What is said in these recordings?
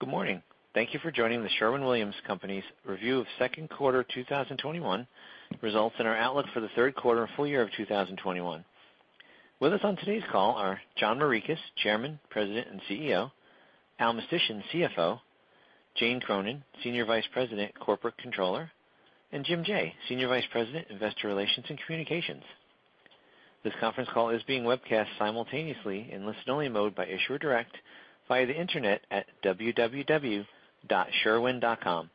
Good morning. Thank you for joining The Sherwin-Williams Company's review of second quarter 2021 results and our outlook for the third quarter and full year of 2021. With us on today's call are John Morikis, Chairman, President, and CEO, Allen Mistysyn, CFO, Jane Cronin, Senior Vice President, Corporate Controller, and Jim R. Jaye, Senior Vice President, Investor Relations and Communications. This conference call is being webcast simultaneously in listen-only mode by Issuer Direct via the Internet at www.sherwin.com.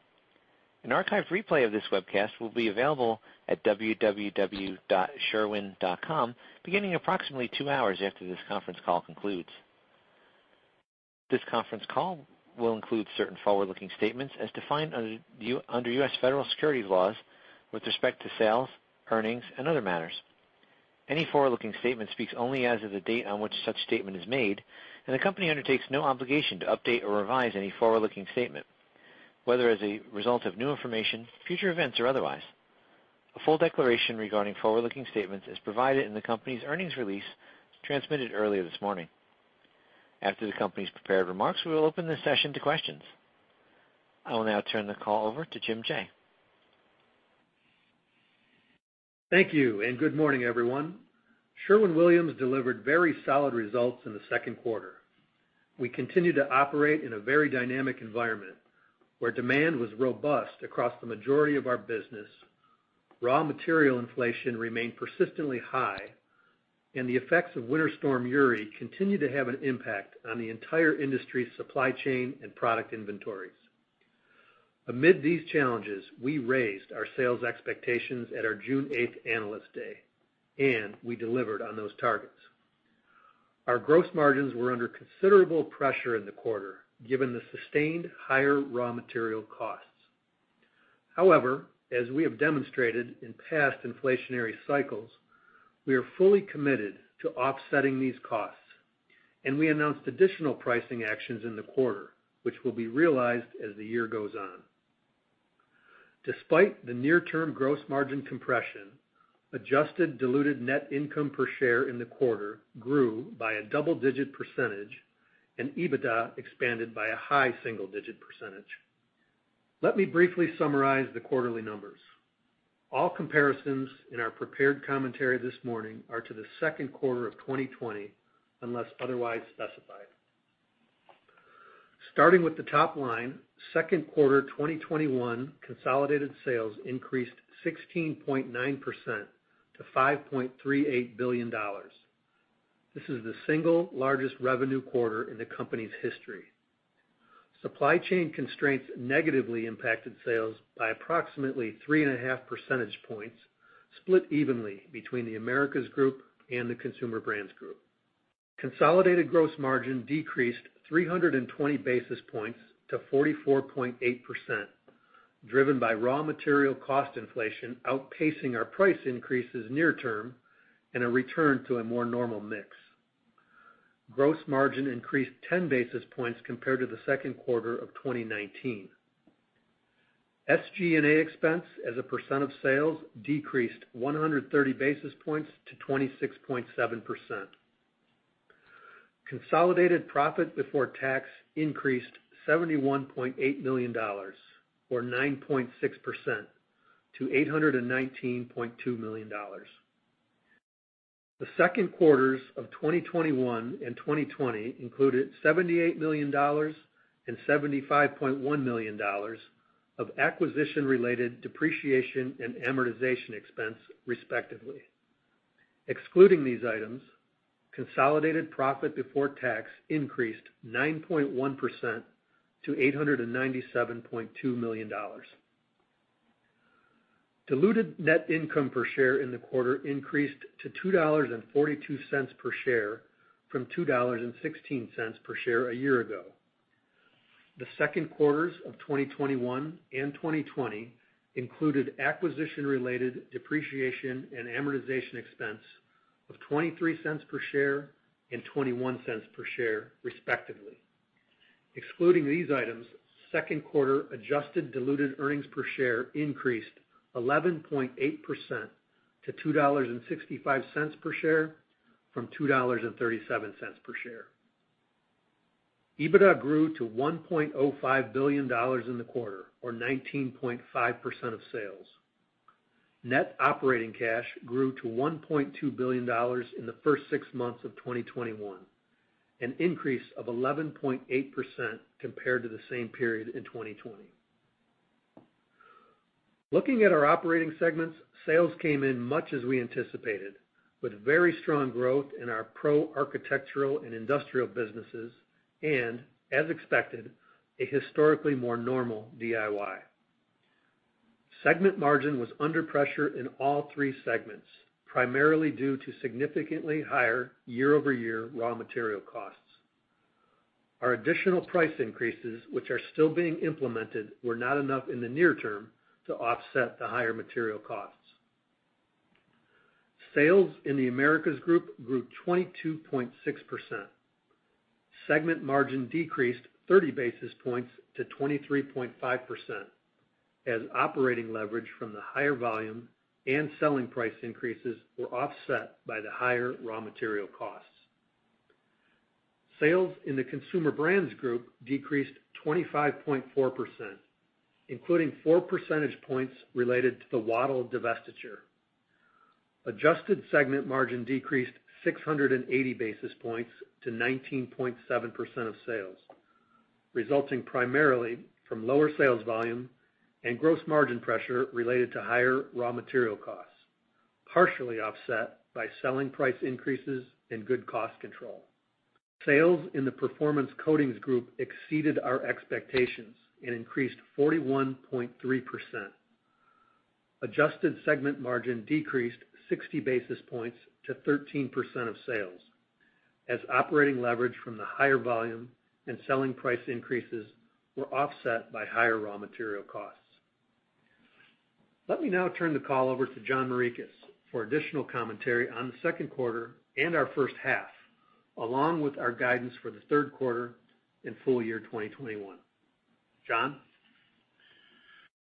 An archived replay of this webcast will be available at www.sherwin.com beginning approximately two hours after this conference call concludes. This conference call will include certain forward-looking statements as defined under U.S. federal securities laws with respect to sales, earnings, and other matters. Any forward-looking statement speaks only as of the date on which such statement is made, and the company undertakes no obligation to update or revise any forward-looking statement, whether as a result of new information, future events, or otherwise. A full declaration regarding forward-looking statements is provided in the company's earnings release transmitted earlier this morning. After the company's prepared remarks, we will open this session to questions. I will now turn the call over to Jim Jaye. Thank you, good morning, everyone. Sherwin-Williams delivered very solid results in the second quarter. We continued to operate in a very dynamic environment where demand was robust across the majority of our business, raw material inflation remained persistently high, and the effects of Winter Storm Uri continued to have an impact on the entire industry supply chain and product inventories. Amid these challenges, we raised our sales expectations at our June 8th Analyst Day, and we delivered on those targets. Our gross margins were under considerable pressure in the quarter, given the sustained higher raw material costs. However, as we have demonstrated in past inflationary cycles, we are fully committed to offsetting these costs, and we announced additional pricing actions in the quarter, which will be realized as the year goes on. Despite the near-term gross margin compression, adjusted diluted net income per share in the quarter grew by a double-digit percentage, and EBITDA expanded by a high single-digit percentage. Let me briefly summarize the quarterly numbers. All comparisons in our prepared commentary this morning are to the second quarter of 2020, unless otherwise specified. Starting with the top line, second quarter 2021 consolidated sales increased 16.9% to $5.38 billion. This is the single largest revenue quarter in the company's history. Supply chain constraints negatively impacted sales by approximately three and a half percentage points, split evenly between The Americas Group and the Consumer Brands Group. Consolidated gross margin decreased 320 basis points to 44.8%, driven by raw material cost inflation outpacing our price increases near-term and a return to a more normal mix. Gross margin increased 10 basis points compared to the second quarter of 2019. SG&A expense as a percent of sales decreased 130 basis points to 26.7%. Consolidated profit before tax increased $71.8 million or 9.6% to $819.2 million. The second quarters of 2021 and 2020 included $78 million and $75.1 million of acquisition-related depreciation and amortization expense, respectively. Excluding these items, consolidated profit before tax increased 9.1% to $897.2 million. Diluted net income per share in the quarter increased to $2.42 per share from $2.16 per share a year ago. The second quarters of 2021 and 2020 included acquisition-related depreciation and amortization expense of $0.23 per share and $0.21 per share, respectively. Excluding these items, second quarter adjusted diluted earnings per share increased 11.8% to $2.65 per share from $2.37 per share. EBITDA grew to $1.05 billion in the quarter, or 19.5% of sales. Net operating cash grew to $1.2 billion in the first six months of 2021, an increase of 11.8% compared to the same period in 2020. Looking at our operating segments, sales came in much as we anticipated, with very strong growth in our pro architectural and industrial businesses and, as expected, a historically more normal DIY. Segment margin was under pressure in all three segments, primarily due to significantly higher year-over-year raw material costs. Our additional price increases, which are still being implemented, were not enough in the near term to offset the higher material costs. Sales in The Americas Group grew 22.6%. Segment margin decreased 30 basis points to 23.5%. As operating leverage from the higher volume and selling price increases were offset by the higher raw material costs. Sales in the Consumer Brands Group decreased 25.4%, including four percentage points related to the Wattyl divestiture. Adjusted segment margin decreased 680 basis points to 19.7% of sales, resulting primarily from lower sales volume and gross margin pressure related to higher raw material costs, partially offset by selling price increases and good cost control. Sales in the Performance Coatings Group exceeded our expectations and increased 41.3%. Adjusted segment margin decreased 60 basis points to 13% of sales, as operating leverage from the higher volume and selling price increases were offset by higher raw material costs. Let me now turn the call over to John Morikis for additional commentary on the second quarter and our first half, along with our guidance for the third quarter and full year 2021. John?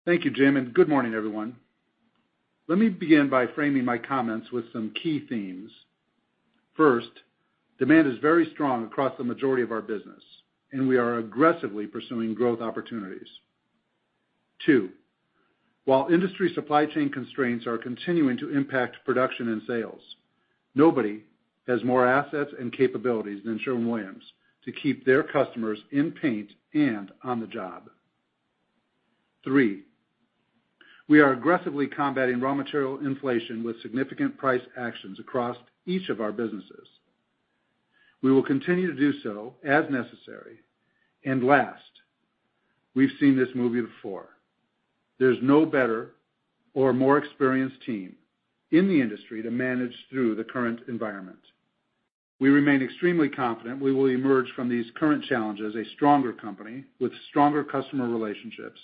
Thank you, Jim, good morning, everyone. Let me begin by framing my comments with some key themes. First, demand is very strong across the majority of our business, and we are aggressively pursuing growth opportunities. two, while industry supply chain constraints are continuing to impact production and sales, nobody has more assets and capabilities than Sherwin-Williams to keep their customers in paint and on the job. Three, we are aggressively combating raw material inflation with significant price actions across each of our businesses. We will continue to do so as necessary. Last, we've seen this movie before. There's no better or more experienced team in the industry to manage through the current environment. We remain extremely confident we will emerge from these current challenges a stronger company with stronger customer relationships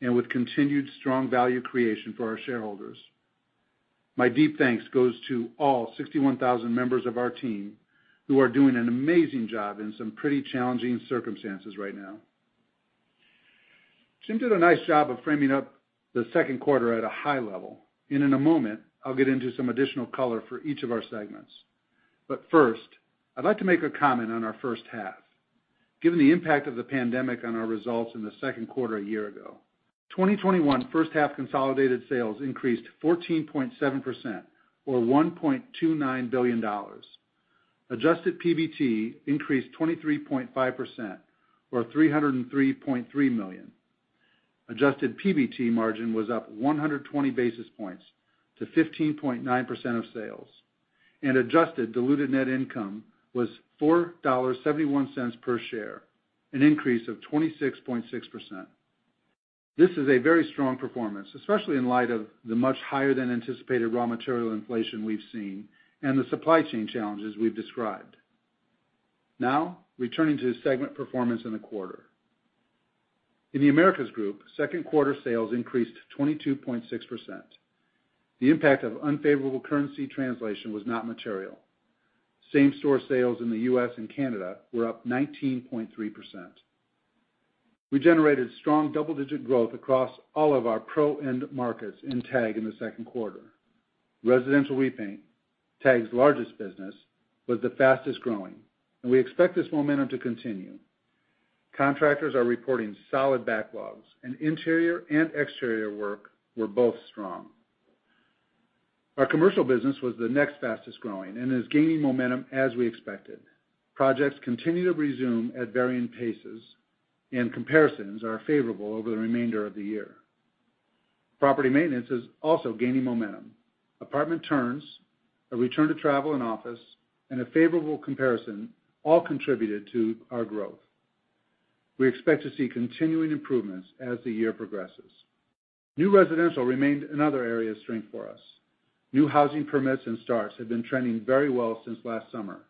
and with continued strong value creation for our shareholders. My deep thanks goes to all 61,000 members of our team who are doing an amazing job in some pretty challenging circumstances right now. Jim did a nice job of framing up the second quarter at a high level, and in a moment, I'll get into some additional color for each of our segments. First, I'd like to make a comment on our first half. Given the impact of the pandemic on our results in the second quarter a year ago, 2021 first-half consolidated sales increased 14.7%, or $1.29 billion. Adjusted PBT increased 23.5%, or $303.3 million. Adjusted PBT margin was up 120 basis points to 15.9% of sales. Adjusted diluted net income was $4.71 per share, an increase of 26.6%. This is a very strong performance, especially in light of the much higher than anticipated raw material inflation we've seen and the supply chain challenges we've described. Returning to segment performance in the quarter. In The Americas Group, second quarter sales increased 22.6%. The impact of unfavorable currency translation was not material. Same-store sales in the U.S. and Canada were up 19.3%. We generated strong double-digit growth across all of our pro end markets in TAG in the second quarter. Residential repaint, TAG's largest business, was the fastest-growing, and we expect this momentum to continue. Contractors are reporting solid backlogs, and interior and exterior work were both strong. Our commercial business was the next fastest-growing and is gaining momentum as we expected. Projects continue to resume at varying paces, and comparisons are favorable over the remainder of the year. Property maintenance is also gaining momentum. Apartment turns, a return to travel and office, and a favorable comparison all contributed to our growth. We expect to see continuing improvements as the year progresses. New residential remained another area of strength for us. New housing permits and starts have been trending very well since last summer,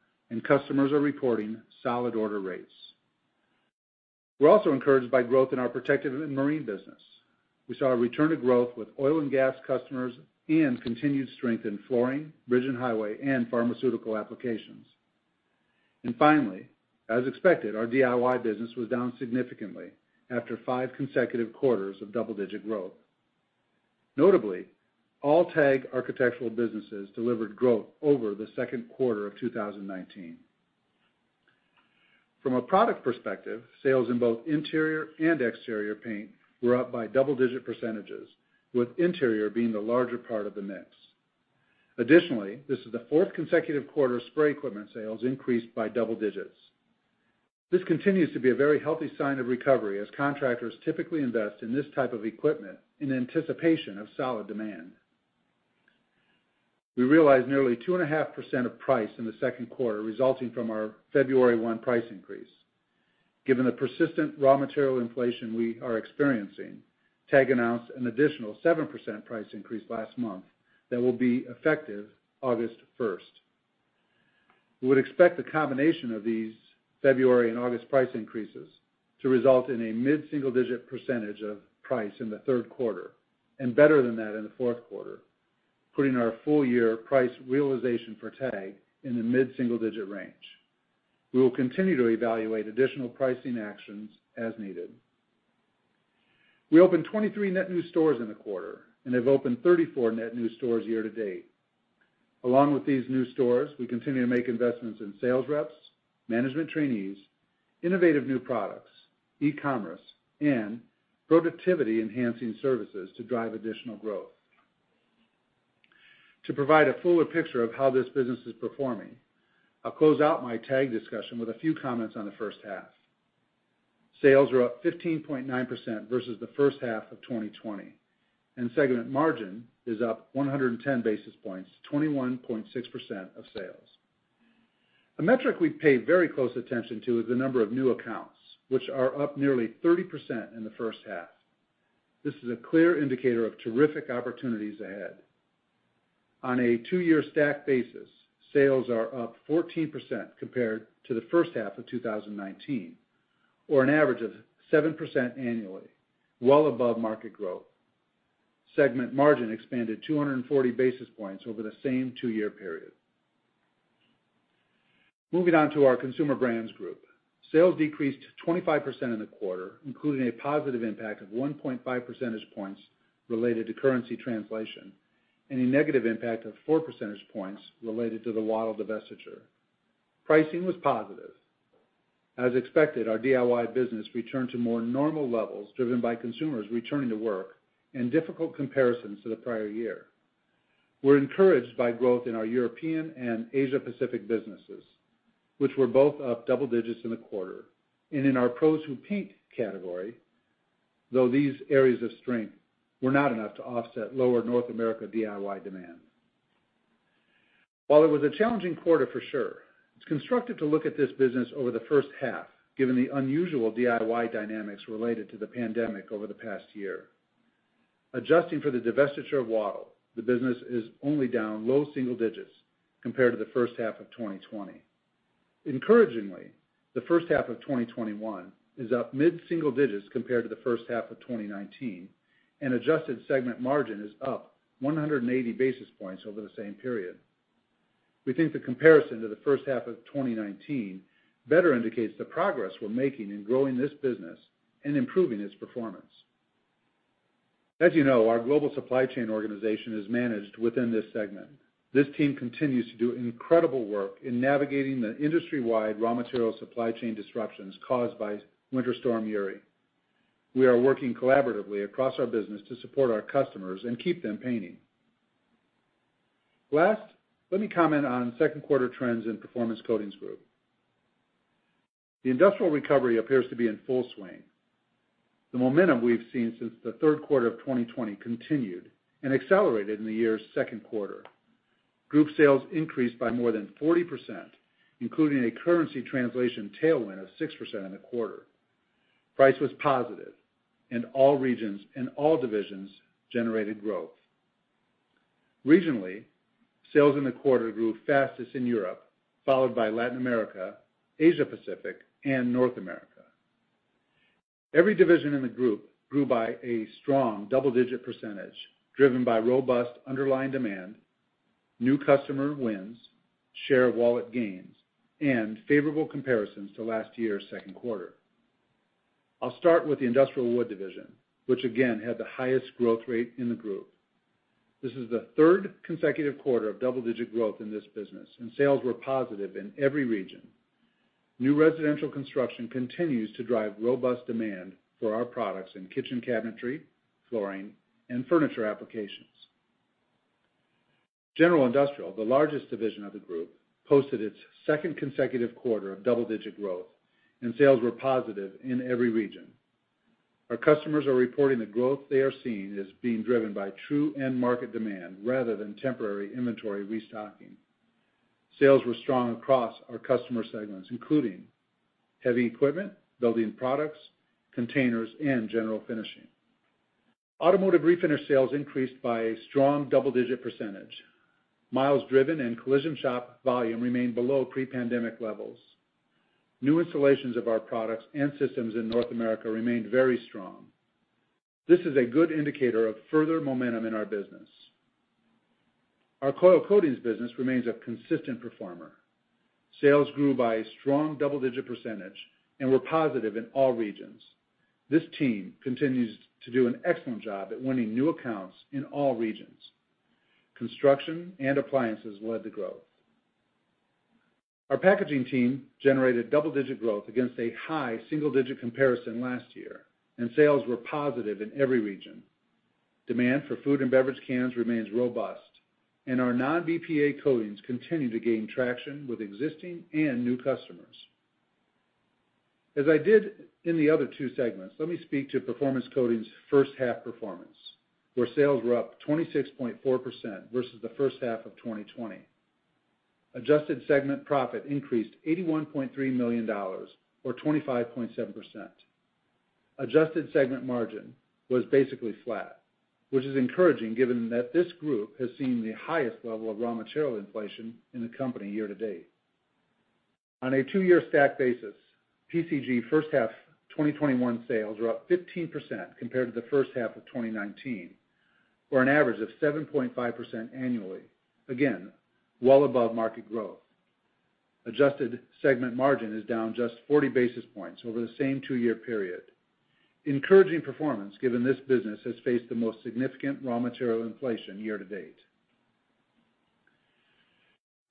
customers are reporting solid order rates. We're also encouraged by growth in our Protective and Marine business. We saw a return to growth with oil and gas customers and continued strength in flooring, bridge and highway, and pharmaceutical applications. Finally, as expected, our DIY business was down significantly after five consecutive quarters of double-digit growth. Notably, all TAG architectural businesses delivered growth over the second quarter of 2019. From a product perspective, sales in both interior and exterior paint were up by double-digit %, with interior being the larger part of the mix. Additionally, this is the 4th consecutive quarter spray equipment sales increased by double digits. This continues to be a very healthy sign of recovery as contractors typically invest in this type of equipment in anticipation of solid demand. We realized nearly 2.5% of price in the second quarter resulting from our February 1 price increase. Given the persistent raw material inflation we are experiencing, TAG announced an additional 7% price increase last month that will be effective August 1st. We would expect the combination of these February and August price increases to result in a mid-single-digit % of price in the third quarter, and better than that in the fourth quarter, putting our full-year price realization for TAG in the mid-single-digit range. We will continue to evaluate additional pricing actions as needed. We opened 23 net new stores in the quarter and have opened 34 net new stores year to date. Along with these new stores, we continue to make investments in sales reps, management trainees, innovative new products, e-commerce, and productivity-enhancing services to drive additional growth. To provide a fuller picture of how this business is performing, I'll close out my TAG discussion with a few comments on the first half. Sales were up 15.9% versus the H1 of 2020, and segment margin is up 110 basis points to 21.6% of sales. The metric we pay very close attention to is the number of new accounts, which are up nearly 30% in the first half. This is a clear indicator of terrific opportunities ahead. On a two-year stack basis, sales are up 14% compared to the H1 of 2019, or an average of 7% annually, well above market growth. Segment margin expanded 240 basis points over the same two-year period. Moving on to our Consumer Brands Group. Sales decreased 25% in the quarter, including a positive impact of 1.5 percentage points related to currency translation and a negative impact of four percentage points related to the Wattyl divestiture. Pricing was positive. As expected, our DIY business returned to more normal levels driven by consumers returning to work and difficult comparisons to the prior year. We're encouraged by growth in our European and Asia Pacific businesses, which were both up double digits in the quarter, and in our Pros Who Paint category, though these areas of strength were not enough to offset lower North America DIY demand. While it was a challenging quarter for sure, it's constructive to look at this business over the first half, given the unusual DIY dynamics related to the pandemic over the past year. Adjusting for the divestiture of Wattyl, the business is only down low single digits compared to the H1 of 2020. Encouragingly, the H1 of 2021 is up mid-single digits compared to the H1 of 2019, and adjusted segment margin is up 180 basis points over the same period. We think the comparison to the H1 of 2019 better indicates the progress we're making in growing this business and improving its performance. As you know, our global supply chain organization is managed within this segment. This team continues to do incredible work in navigating the industry-wide raw material supply chain disruptions caused by Winter Storm Uri. We are working collaboratively across our business to support our customers and keep them painting. Last, let me comment on second quarter trends in Performance Coatings Group. The industrial recovery appears to be in full swing. The momentum we've seen since the third quarter of 2020 continued and accelerated in the year's second quarter. Group sales increased by more than 40%, including a currency translation tailwind of 6% in the quarter. Price was positive. All regions and all divisions generated growth. Regionally, sales in the quarter grew fastest in Europe, followed by Latin America, Asia Pacific, and North America. Every division in the group grew by a strong double-digit percentage, driven by robust underlying demand, new customer wins, share of wallet gains, and favorable comparisons to last year's second quarter. I'll start with the Industrial Wood Coatings, which again had the highest growth rate in the group. This is the third consecutive quarter of double-digit growth in this business. Sales were positive in every region. New residential construction continues to drive robust demand for our products in kitchen cabinetry, flooring, and furniture applications. General Industrial, the largest division of the group, posted its second consecutive quarter of double-digit growth. Sales were positive in every region. Our customers are reporting the growth they are seeing is being driven by true end market demand rather than temporary inventory restocking. Sales were strong across our customer segments, including heavy equipment, building products, containers, and general finishing. Automotive Refinish sales increased by a strong double-digit percentage. Miles driven and collision shop volume remained below pre-pandemic levels. New installations of our products and systems in North America remained very strong. This is a good indicator of further momentum in our business. Our Coil Coatings business remains a consistent performer. Sales grew by a strong double-digit % and were positive in all regions. This team continues to do an excellent job at winning new accounts in all regions. Construction and appliances led the growth. Our packaging team generated double-digit growth against a high single-digit comparison last year. Sales were positive in every region. Demand for food and beverage cans remains robust. Our non-BPA coatings continue to gain traction with existing and new customers. As I did in the other two segments, let me speak to Performance Coatings' first half performance, where sales were up 26.4% versus the H1 of 2020. Adjusted segment profit increased $81.3 million, or 25.7%. Adjusted segment margin was basically flat, which is encouraging given that this group has seen the highest level of raw material inflation in the company year to date. On a two-year stack basis, PCG H1 2021 sales were up 15% compared to the H1 of 2019. For an average of 7.5% annually. Again, well above market growth. Adjusted segment margin is down just 40 basis points over the same two-year period. Encouraging performance, given this business has faced the most significant raw material inflation year to date.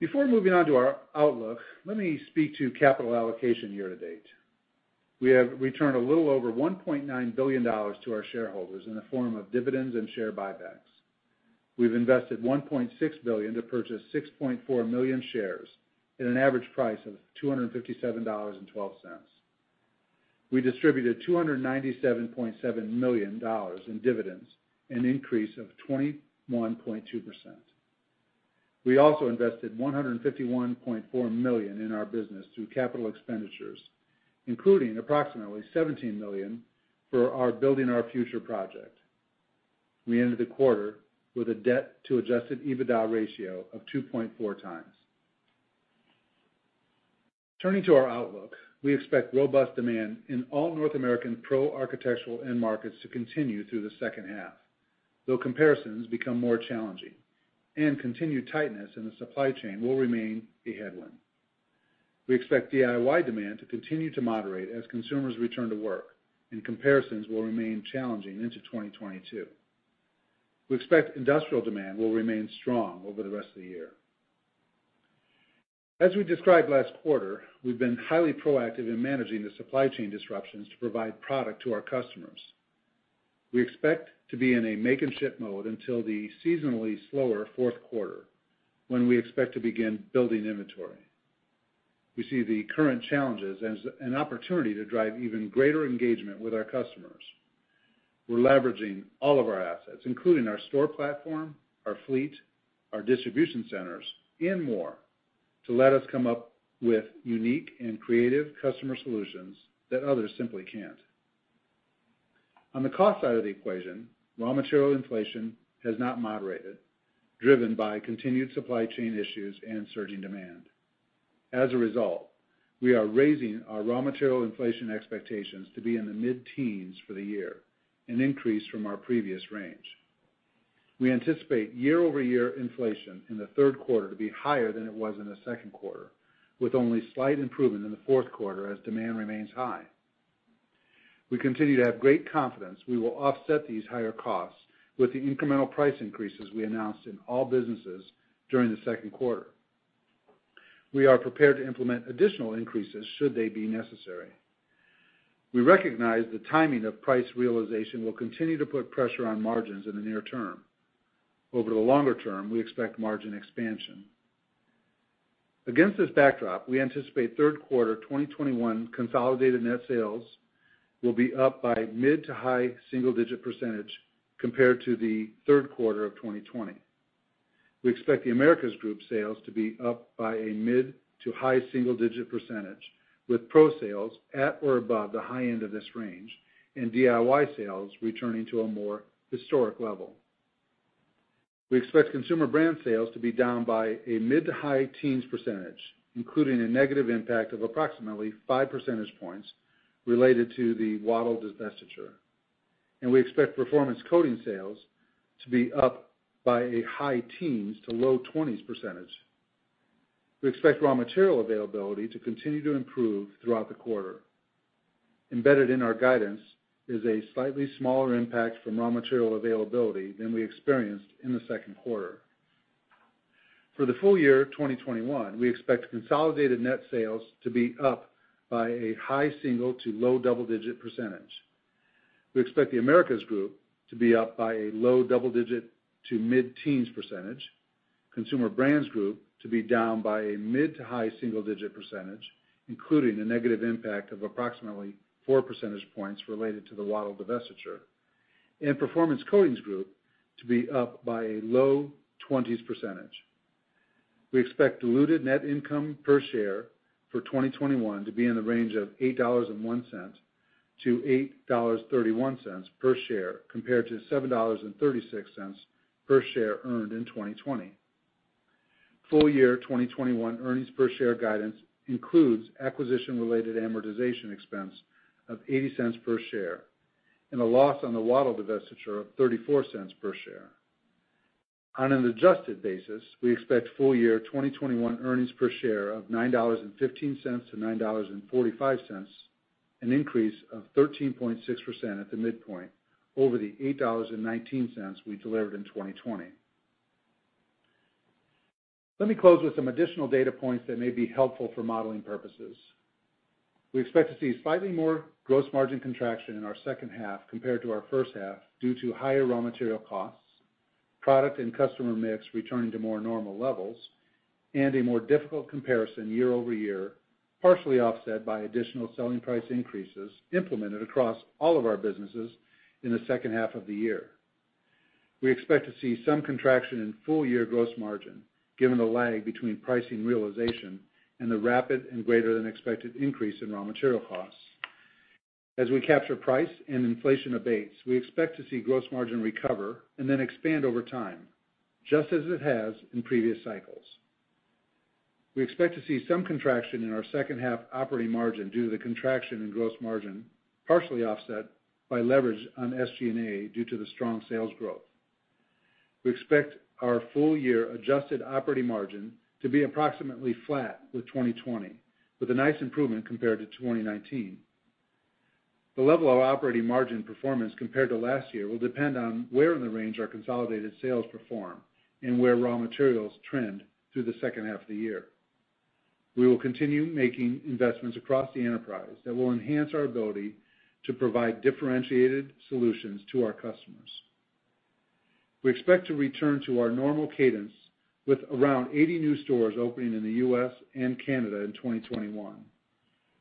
Before moving on to our outlook, let me speak to capital allocation year to date. We have returned a little over $1.9 billion to our shareholders in the form of dividends and share buybacks. We've invested $1.6 billion to purchase 6.4 million shares at an average price of $257.12. We distributed $297.7 million in dividends, an increase of 21.2%. We also invested $151.4 million in our business through capital expenditures, including approximately $17 million for our Building Our Future project. We ended the quarter with a debt to adjusted EBITDA ratio of 2.4x. Turning to our outlook, we expect robust demand in all North American Pro architectural end markets to continue through the second half, though comparisons become more challenging, and continued tightness in the supply chain will remain a headwind. We expect DIY demand to continue to moderate as consumers return to work, and comparisons will remain challenging into 2022. We expect industrial demand will remain strong over the rest of the year. As we described last quarter, we've been highly proactive in managing the supply chain disruptions to provide product to our customers. We expect to be in a make and ship mode until the seasonally slower fourth quarter, when we expect to begin building inventory. We see the current challenges as an opportunity to drive even greater engagement with our customers. We're leveraging all of our assets, including our store platform, our fleet, our distribution centers, and more to let us come up with unique and creative customer solutions that others simply can't. On the cost side of the equation, raw material inflation has not moderated, driven by continued supply chain issues and surging demand. As a result, we are raising our raw material inflation expectations to be in the mid-teens for the year, an increase from our previous range. We anticipate year-over-year inflation in the third quarter to be higher than it was in the second quarter, with only slight improvement in the fourth quarter as demand remains high. We continue to have great confidence we will offset these higher costs with the incremental price increases we announced in all businesses during the second quarter. We are prepared to implement additional increases should they be necessary. We recognize the timing of price realization will continue to put pressure on margins in the near term. Over the longer term, we expect margin expansion. Against this backdrop, we anticipate third quarter 2021 consolidated net sales will be up by mid to high single-digit percentage compared to the third quarter of 2020. We expect The Americas Group sales to be up by a mid- to high single-digit percentage, with Pro sales at or above the high end of this range and DIY sales returning to a more historic level. We expect Consumer Brand sales to be down by a mid- to high teens percentage, including a negative impact of approximately five percentage points related to the Wattyl divestiture. We expect Performance Coatings sales to be up by a high teens to low 20%. We expect raw material availability to continue to improve throughout the quarter. Embedded in our guidance is a slightly smaller impact from raw material availability than we experienced in the second quarter. For the full year 2021, we expect consolidated net sales to be up by a high single- to low double-digit percentage. We expect The Americas Group to be up by a low double-digit to mid-teens percentage. Consumer Brands Group to be down by a mid-to-high single-digit percentage, including a negative impact of approximately four percentage points related to the Wattyl divestiture. Performance Coatings Group to be up by a low 20%. We expect diluted net income per share for 2021 to be in the range of $8.01-$8.31 per share, compared to $7.36 per share earned in 2020. Full year 2021 earnings per share guidance includes acquisition-related amortization expense of $0.80 per share and a loss on the Wattyl divestiture of $0.34 per share. On an adjusted basis, we expect full year 2021 earnings per share of $9.15-$9.45, an increase of 13.6% at the midpoint over the $8.19 we delivered in 2020. Let me close with some additional data points that may be helpful for modeling purposes. We expect to see slightly more gross margin contraction in our second half compared to our first half due to higher raw material costs, product and customer mix returning to more normal levels, and a more difficult comparison year-over-year, partially offset by additional selling price increases implemented across all of our businesses in the second half of the year. We expect to see some contraction in full year gross margin, given the lag between pricing realization and the rapid and greater-than-expected increase in raw material costs. As we capture price and inflation abates, we expect to see gross margin recover and then expand over time, just as it has in previous cycles. We expect to see some contraction in our second half operating margin due to the contraction in gross margin, partially offset by leverage on SG&A due to the strong sales growth. We expect our full-year adjusted operating margin to be approximately flat with 2020, with a nice improvement compared to 2019. The level of operating margin performance compared to last year will depend on where in the range our consolidated sales perform and where raw materials trend through the second half of the year. We will continue making investments across the enterprise that will enhance our ability to provide differentiated solutions to our customers. We expect to return to our normal cadence with around 80 new stores opening in the U.S. and Canada in 2021.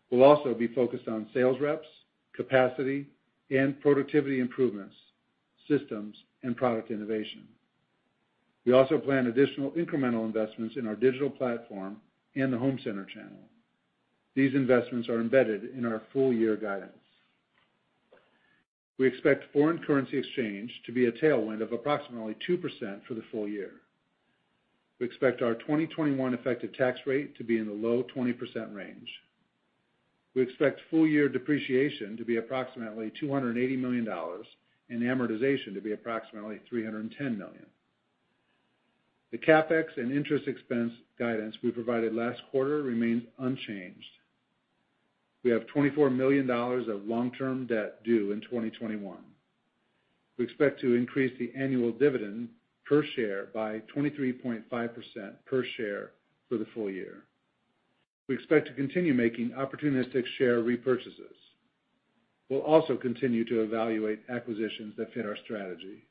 We'll also be focused on sales reps, capacity and productivity improvements, systems, and product innovation. We also plan additional incremental investments in our digital platform and the home center channel. These investments are embedded in our full-year guidance. We expect foreign currency exchange to be a tailwind of approximately 2% for the full year. We expect our 2021 effective tax rate to be in the low 20% range. We expect full-year depreciation to be approximately $280 million and amortization to be approximately $310 million. The CapEx and interest expense guidance we provided last quarter remains unchanged. We have $24 million of long-term debt due in 2021. We expect to increase the annual dividend per share by 23.5% per share for the full year. We expect to continue making opportunistic share repurchases. We'll also continue to evaluate acquisitions that fit our strategy.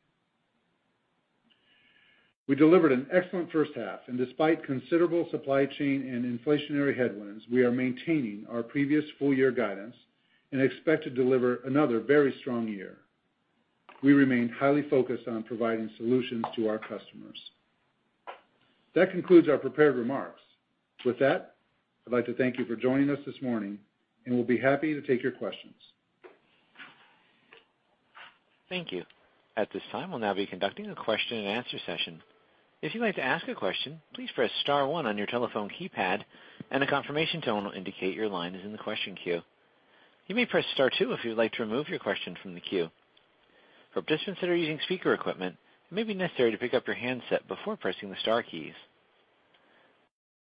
We delivered an excellent first half, and despite considerable supply chain and inflationary headwinds, we are maintaining our previous full-year guidance and expect to deliver another very strong year. We remain highly focused on providing solutions to our customers. That concludes our prepared remarks. With that, I'd like to thank you for joining us this morning, and we'll be happy to take your questions. Thank you. At this time, we'll now be conducting a question and answer session. If you'd like to ask a question, please press star one on your telephone keypad, and a confirmation tone will indicate your line is in the question queue. You may press star two if you'd like to remove your question from the queue. For participants that are using speaker equipment, it may be necessary to pick up your handset before pressing the star keys.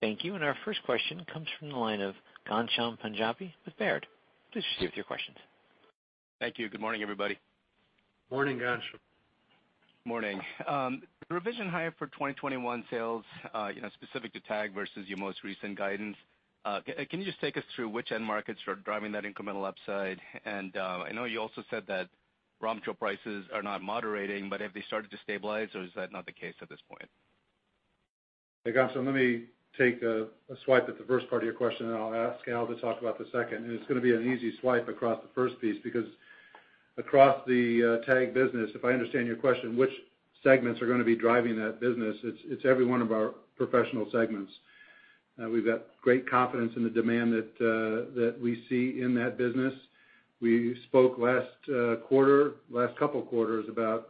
Thank you, and our first question comes from the line of Ghansham Panjabi with Baird. Please proceed with your questions. Thank you. Good morning, everybody. Morning, Ghansham. Morning. Revision higher for 2021 sales, specific to TAG versus your most recent guidance. Can you just take us through which end markets are driving that incremental upside? I know you also said that raw material prices are not moderating, but have they started to stabilize, or is that not the case at this point? Hey, Ghansham, let me take a swipe at the first part of your question, and I'll ask Allen to talk about the second. It's going to be an easy swipe across the first piece, because across the TAG business, if I understand your question, which segments are going to be driving that business, it's every one of our professional segments. We've got great confidence in the demand that we see in that business. We spoke last couple of quarters about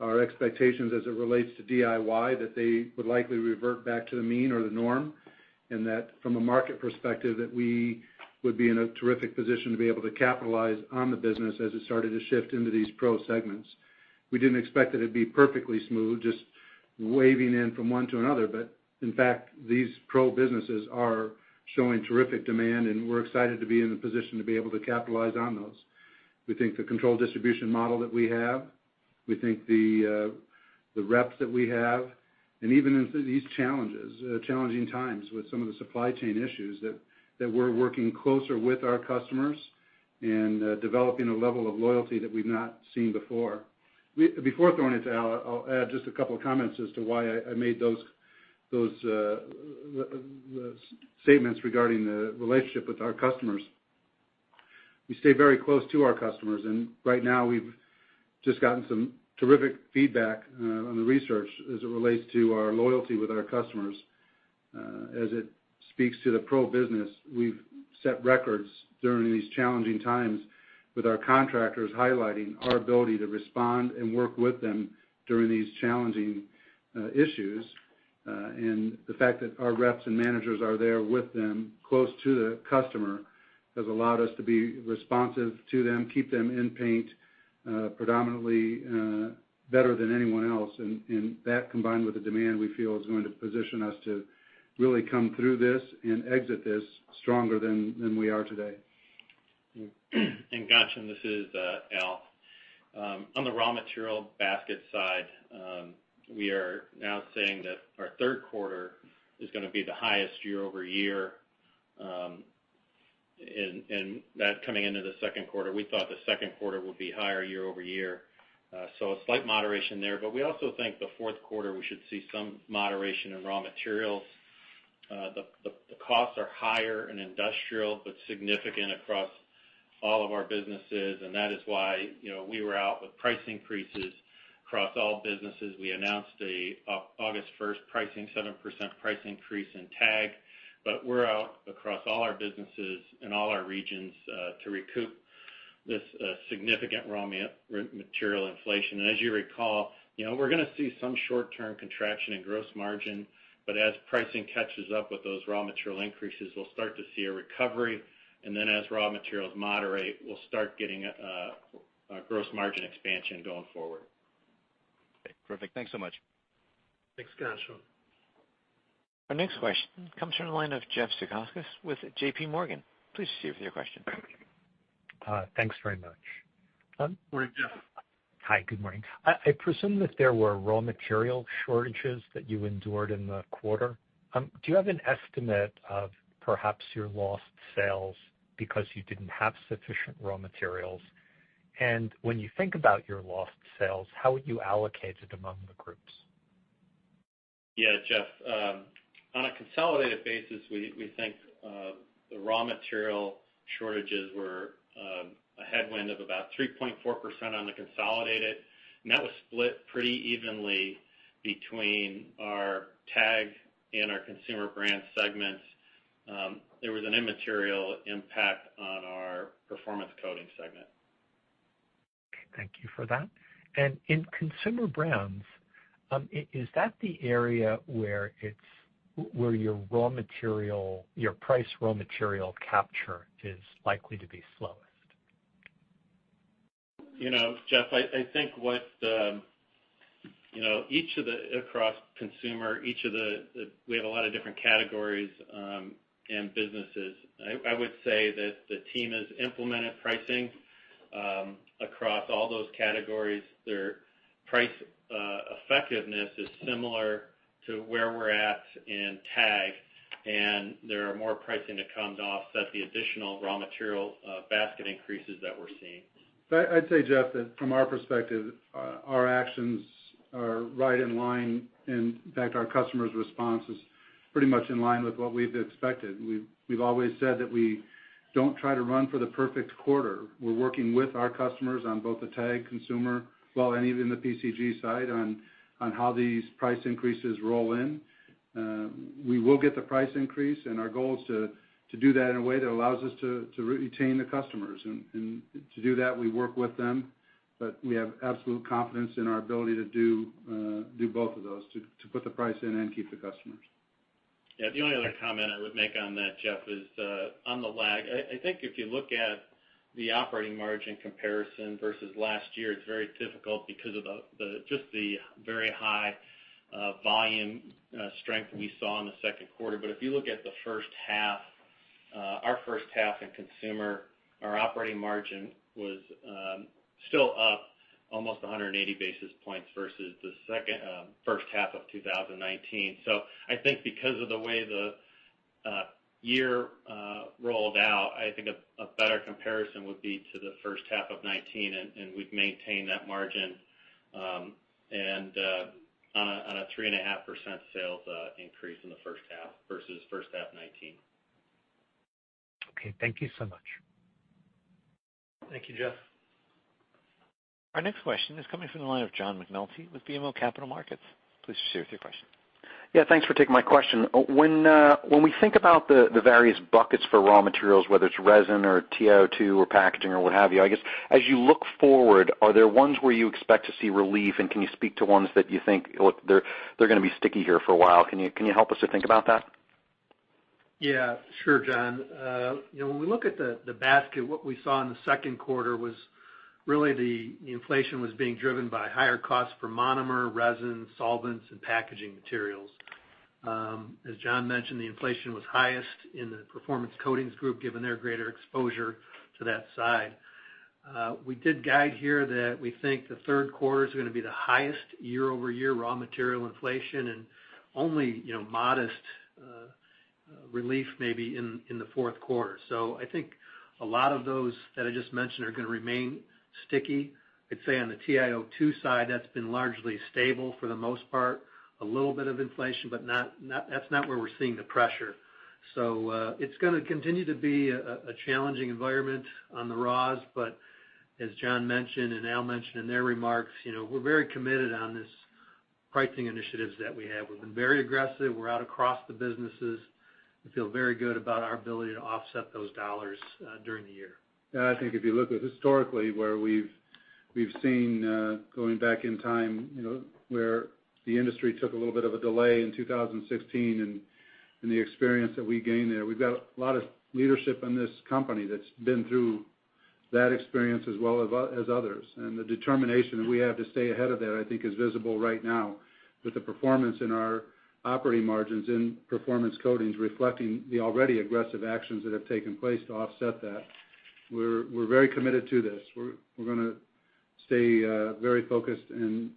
our expectations as it relates to DIY, that they would likely revert back to the mean or the norm, and that from a market perspective, that we would be in a terrific position to be able to capitalize on the business as it started to shift into these pro segments. We didn't expect it'd be perfectly smooth, just waving in from one to another. In fact, these pro businesses are showing terrific demand, and we're excited to be in the position to be able to capitalize on those. We think the controlled distribution model that we have, we think the reps that we have, and even in these challenging times with some of the supply chain issues, that we're working closer with our customers and developing a level of loyalty that we've not seen before. Before throwing it to Al, I'll add just a couple of comments as to why I made those statements regarding the relationship with our customers. We stay very close to our customers, and right now we've just gotten some terrific feedback on the research as it relates to our loyalty with our customers. As it speaks to the pro business, we've set records during these challenging times with our contractors highlighting our ability to respond and work with them during these challenging issues. The fact that our reps and managers are there with them, close to the customer, has allowed us to be responsive to them, keep them in paint predominantly better than anyone else. That, combined with the demand, we feel, is going to position us to really come through this and exit this stronger than we are today. Ghansham, this is Allen. On the raw material basket side, we are now saying that our third quarter is going to be the highest year-over-year, coming into the second quarter. We thought the second quarter would be higher year-over-year. A slight moderation there. We also think the fourth quarter, we should see some moderation in raw materials. The costs are higher in industrial, but significant across all of our businesses, that is why we were out with price increases across all businesses. We announced an August 1st 7% price increase in TAG, but we're out across all our businesses and all our regions to recoup this significant raw material inflation. As you recall, we're going to see some short-term contraction in gross margin, but as pricing catches up with those raw material increases, we'll start to see a recovery, and then as raw materials moderate, we'll start getting a gross margin expansion going forward. Okay, perfect. Thanks so much. Thanks, Ghansham. Our next question comes from the line of Jeffrey Zekauskas with JPMorgan. Please proceed with your question. Thanks very much. Morning, Jeff. Hi, good morning. I presume that there were raw material shortages that you endured in the quarter. Do you have an estimate of perhaps your lost sales because you didn't have sufficient raw materials? When you think about your lost sales, how would you allocate it among the groups? Yeah, Jeff. On a consolidated basis, we think the raw material shortages were a headwind of about 3.4% on the consolidated. That was split pretty evenly between our TAG and our Consumer Brands segments. There was an immaterial impact on our Performance Coatings segment. Thank you for that. In consumer brands, is that the area where your price raw material capture is likely to be slowest? Jeffrey, I think across consumer, we have a lot of different categories and businesses. I would say that the team has implemented pricing across all those categories. Their price effectiveness is similar to where we're at in TAG. There are more pricing to come to offset the additional raw material basket increases that we're seeing. I'd say, Jeff, that from our perspective, our actions are right in line. In fact, our customers' response is pretty much in line with what we've expected. We've always said that we don't try to run for the perfect quarter. We're working with our customers on both the TAG Consumer, well, and even the PCG side on how these price increases roll in. We will get the price increase, and our goal is to do that in a way that allows us to retain the customers. To do that, we work with them, but we have absolute confidence in our ability to do both of those, to put the price in and keep the customers. Yeah. The only other comment I would make on that, Jeff, is on the lag. I think if you look at the operating margin comparison versus last year, it's very difficult because of just the very high volume strength we saw in the second quarter. If you look at the first half, our first half in consumer, our operating margin was still up almost 180 basis points versus the H1 of 2019. I think because of the way the year rolled out, I think a better comparison would be to the H1 of 2019, and we've maintained that margin on a 3.5% sales increase in the H1 versus H1 2019. Okay, thank you so much. Thank you, Jeff. Our next question is coming from the line of John McNulty with BMO Capital Markets. Please proceed with your question. Thanks for taking my question. When we think about the various buckets for raw materials, whether it's resin or TiO2 or packaging or what have you, I guess as you look forward, are there ones where you expect to see relief, and can you speak to ones that you think they're going to be sticky here for a while? Can you help us to think about that? Yeah, sure, John. When we look at the basket, what we saw in the second quarter was really the inflation was being driven by higher costs for monomer, resin, solvents, and packaging materials. As John mentioned, the inflation was highest in the Performance Coatings Group, given their greater exposure to that side. We did guide here that we think the third quarter is going to be the highest year-over-year raw material inflation and only modest relief maybe in the fourth quarter. I think a lot of those that I just mentioned are going to remain sticky. I'd say on the TiO2 side, that's been largely stable for the most part, a little bit of inflation, but that's not where we're seeing the pressure. It's going to continue to be a challenging environment on the raws, but as John mentioned and Allen mentioned in their remarks, we're very committed on this pricing initiatives that we have. We've been very aggressive. We're out across the businesses. We feel very good about our ability to offset those dollars during the year. Yeah, I think if you look at historically where we've seen going back in time where the industry took a little bit of a delay in 2016 and the experience that we gained there, we've got a lot of leadership in this company that's been through that experience as well as others. The determination that we have to stay ahead of that, I think is visible right now with the performance in our operating margins in Performance Coatings reflecting the already aggressive actions that have taken place to offset that. We're very committed to this. We're going to stay very focused, and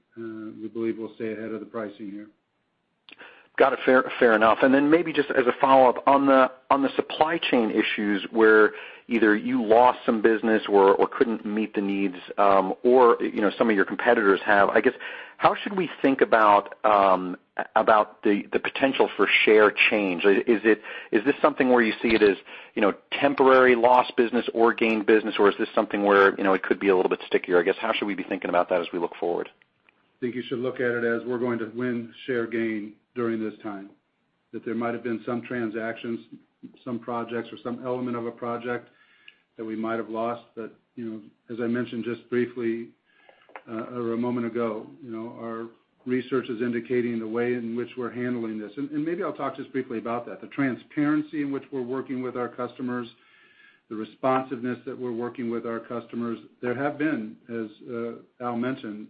we believe we'll stay ahead of the pricing here. Got it. Fair enough. Maybe just as a follow-up, on the supply chain issues where either you lost some business or couldn't meet the needs, or some of your competitors have, I guess how should we think about the potential for share change? Is this something where you see it as temporary lost business or gained business, or is this something where it could be a little bit stickier? I guess how should we be thinking about that as we look forward? I think you should look at it as we're going to win share gain during this time. There might've been some transactions, some projects, or some element of a project that we might have lost. As I mentioned just briefly, or a moment ago, our research is indicating the way in which we're handling this. Maybe I'll talk just briefly about that. The transparency in which we're working with our customers, the responsiveness that we're working with our customers. There have been, as Al mentioned,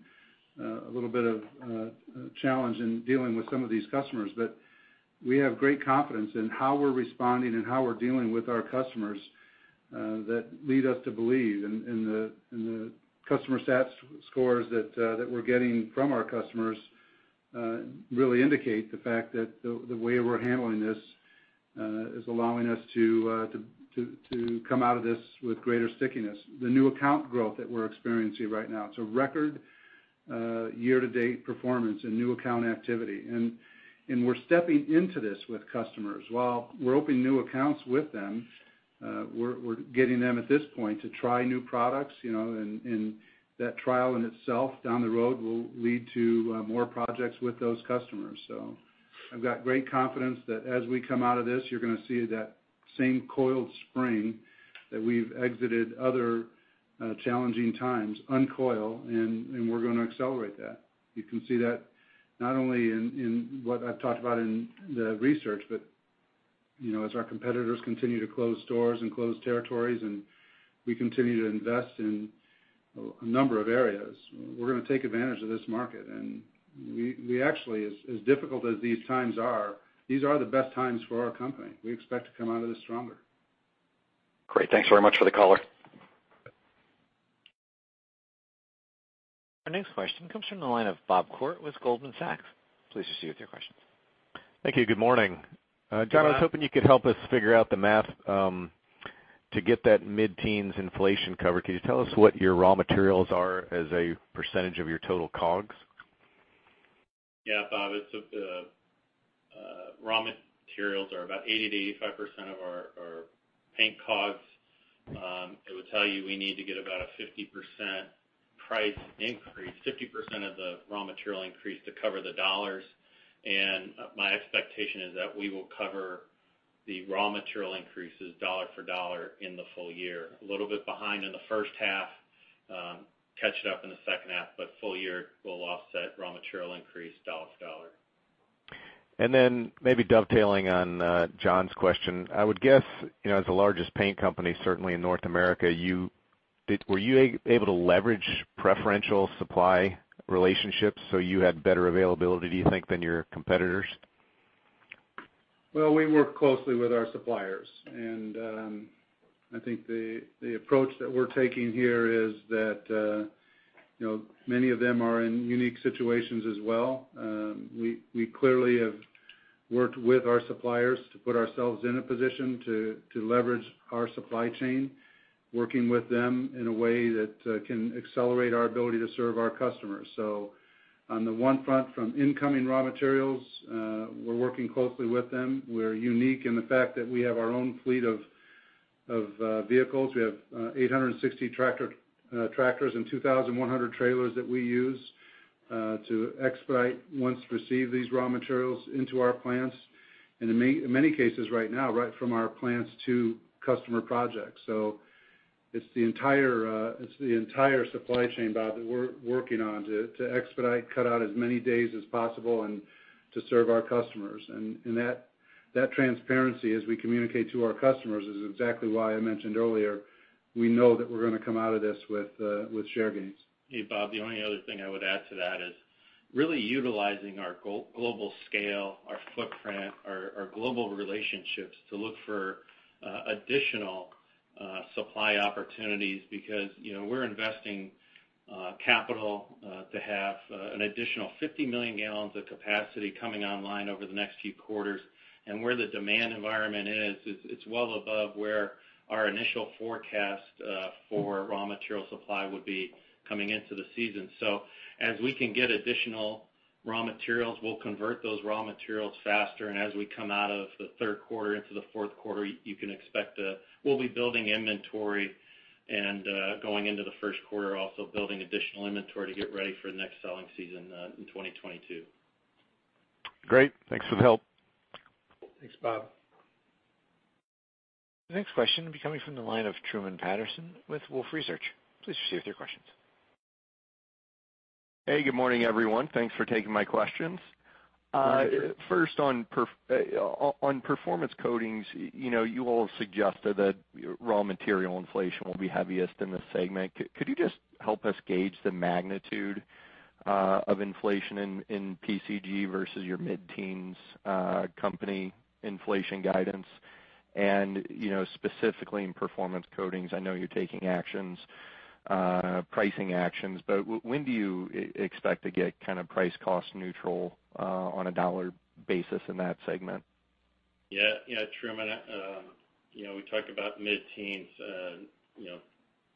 a little bit of a challenge in dealing with some of these customers, but we have great confidence in how we're responding and how we're dealing with our customers, that lead us to believe in the customer sat scores that we're getting from our customers, really indicate the fact that the way we're handling this is allowing us to come out of this with greater stickiness. The new account growth that we're experiencing right now, it's a record year-to-date performance in new account activity. We're stepping into this with customers. While we're opening new accounts with them, we're getting them at this point to try new products. That trial in itself down the road will lead to more projects with those customers. I've got great confidence that as we come out of this, you're going to see that same coiled spring that we've exited other challenging times uncoil, and we're going to accelerate that. You can see that not only in what I've talked about in the research, but as our competitors continue to close stores and close territories, and we continue to invest in a number of areas, we're going to take advantage of this market. We actually, as difficult as these times are, these are the best times for our company. We expect to come out of this stronger. Great. Thanks very much for the color. Our next question comes from the line of Bob Koort with Goldman Sachs. Please proceed with your questions. Thank you. Good morning. Good morning. John, I was hoping you could help us figure out the math to get that mid-teens inflation cover. Can you tell us what your raw materials are as a % of your total COGS? Yeah, Bob, raw materials are about 80%-85% of our paint COGS. It would tell you we need to get about a 50% price increase, 50% of the raw material increase, to cover the dollars. My expectation is that we will cover the raw material increases dollar for dollar in the full year. A little bit behind in the first half, catch it up in the second half, but full year, we'll offset raw material increase dollar for dollar. Maybe dovetailing on John's question, I would guess, as the largest paint company certainly in North America, were you able to leverage preferential supply relationships so you had better availability, do you think, than your competitors? Well, we work closely with our suppliers. I think the approach that we're taking here is that many of them are in unique situations as well. We clearly have worked with our suppliers to put ourselves in a position to leverage our supply chain, working with them in a way that can accelerate our ability to serve our customers. On the one front, from incoming raw materials, we're working closely with them. We're unique in the fact that we have our own fleet of vehicles. We have 860 tractors and 2,100 trailers that we use to expedite once received these raw materials into our plants. In many cases right now, right from our plants to customer projects. It's the entire supply chain, Bob, that we're working on to expedite, cut out as many days as possible, and to serve our customers. That transparency as we communicate to our customers is exactly why I mentioned earlier, we know that we're going to come out of this with share gains. Hey, Bob, the only other thing I would add to that is really utilizing our global scale, our footprint, our global relationships to look for additional supply opportunities because we're investing capital to have an additional 50 million gallons of capacity coming online over the next few quarters. Where the demand environment is, it's well above where our initial forecast for raw material supply would be coming into the season. As we can get additional raw materials, we'll convert those raw materials faster, and as we come out of the third quarter into the fourth quarter, you can expect we'll be building inventory and going into the first quarter, also building additional inventory to get ready for the next selling season in 2022. Great. Thanks for the help. Thanks, Bob. The next question will be coming from the line of Truman Patterson with Wolfe Research. Please proceed with your questions. Hey, good morning, everyone. Thanks for taking my questions. Good morning. First on Performance Coatings, you all suggested that raw material inflation will be heaviest in this segment. Could you just help us gauge the magnitude of inflation in PCG versus your mid-teens company inflation guidance? Specifically in Performance Coatings, I know you're taking pricing actions, but when do you expect to get kind of price cost neutral on a dollar basis in that segment? Yeah, Truman. We talked about mid-teens.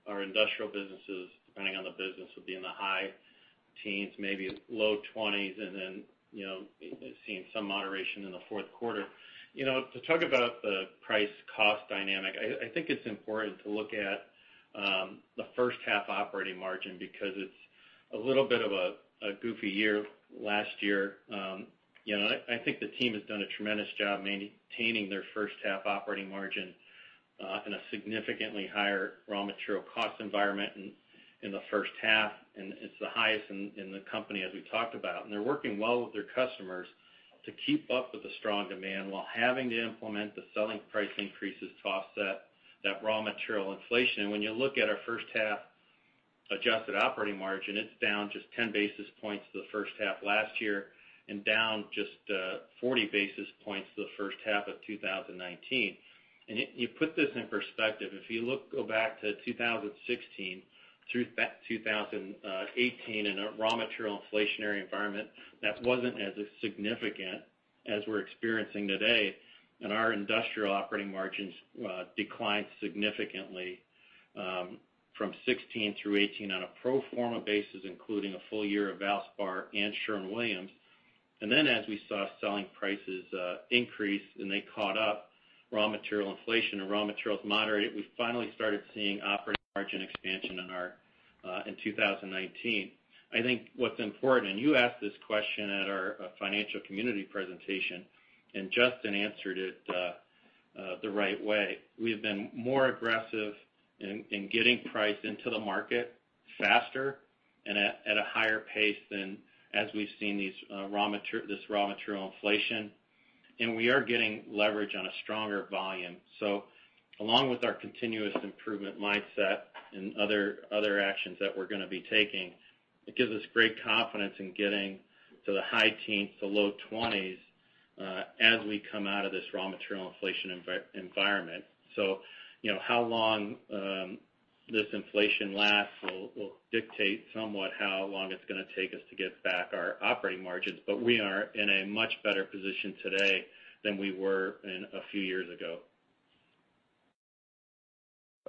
Our industrial businesses, depending on the business, would be in the high teens, maybe low 20s, and then seeing some moderation in the fourth quarter. To talk about the price cost dynamic, I think it's important to look at. The first half operating margin because it's a little bit of a goofy year last year. I think the team has done a tremendous job maintaining their first half operating margin in a significantly higher raw material cost environment in the first half, and it's the highest in the company, as we talked about. They're working well with their customers to keep up with the strong demand while having to implement the selling price increases to offset that raw material inflation. When you look at our first half adjusted operating margin, it's down just 10 basis points to the first half last year and down just 40 basis points to the H1 of 2019. You put this in perspective, if you go back to 2016-2018 in a raw material inflationary environment that wasn't as significant as we're experiencing today, and our industrial operating margins declined significantly from 2016-2018 on a pro forma basis, including a full year of Valspar and Sherwin-Williams. As we saw selling prices increase, and they caught up raw material inflation and raw materials moderated, we finally started seeing operating margin expansion in 2019. I think what's important, and you asked this question at our Financial Community Presentation, and Justin answered it the right way. We have been more aggressive in getting price into the market faster and at a higher pace than as we've seen this raw material inflation. We are getting leverage on a stronger volume. Along with our continuous improvement mindset and other actions that we're going to be taking, it gives us great confidence in getting to the high teens to low 20s as we come out of this raw material inflation environment. How long this inflation lasts will dictate somewhat how long it's going to take us to get back our operating margins. We are in a much better position today than we were a few years ago.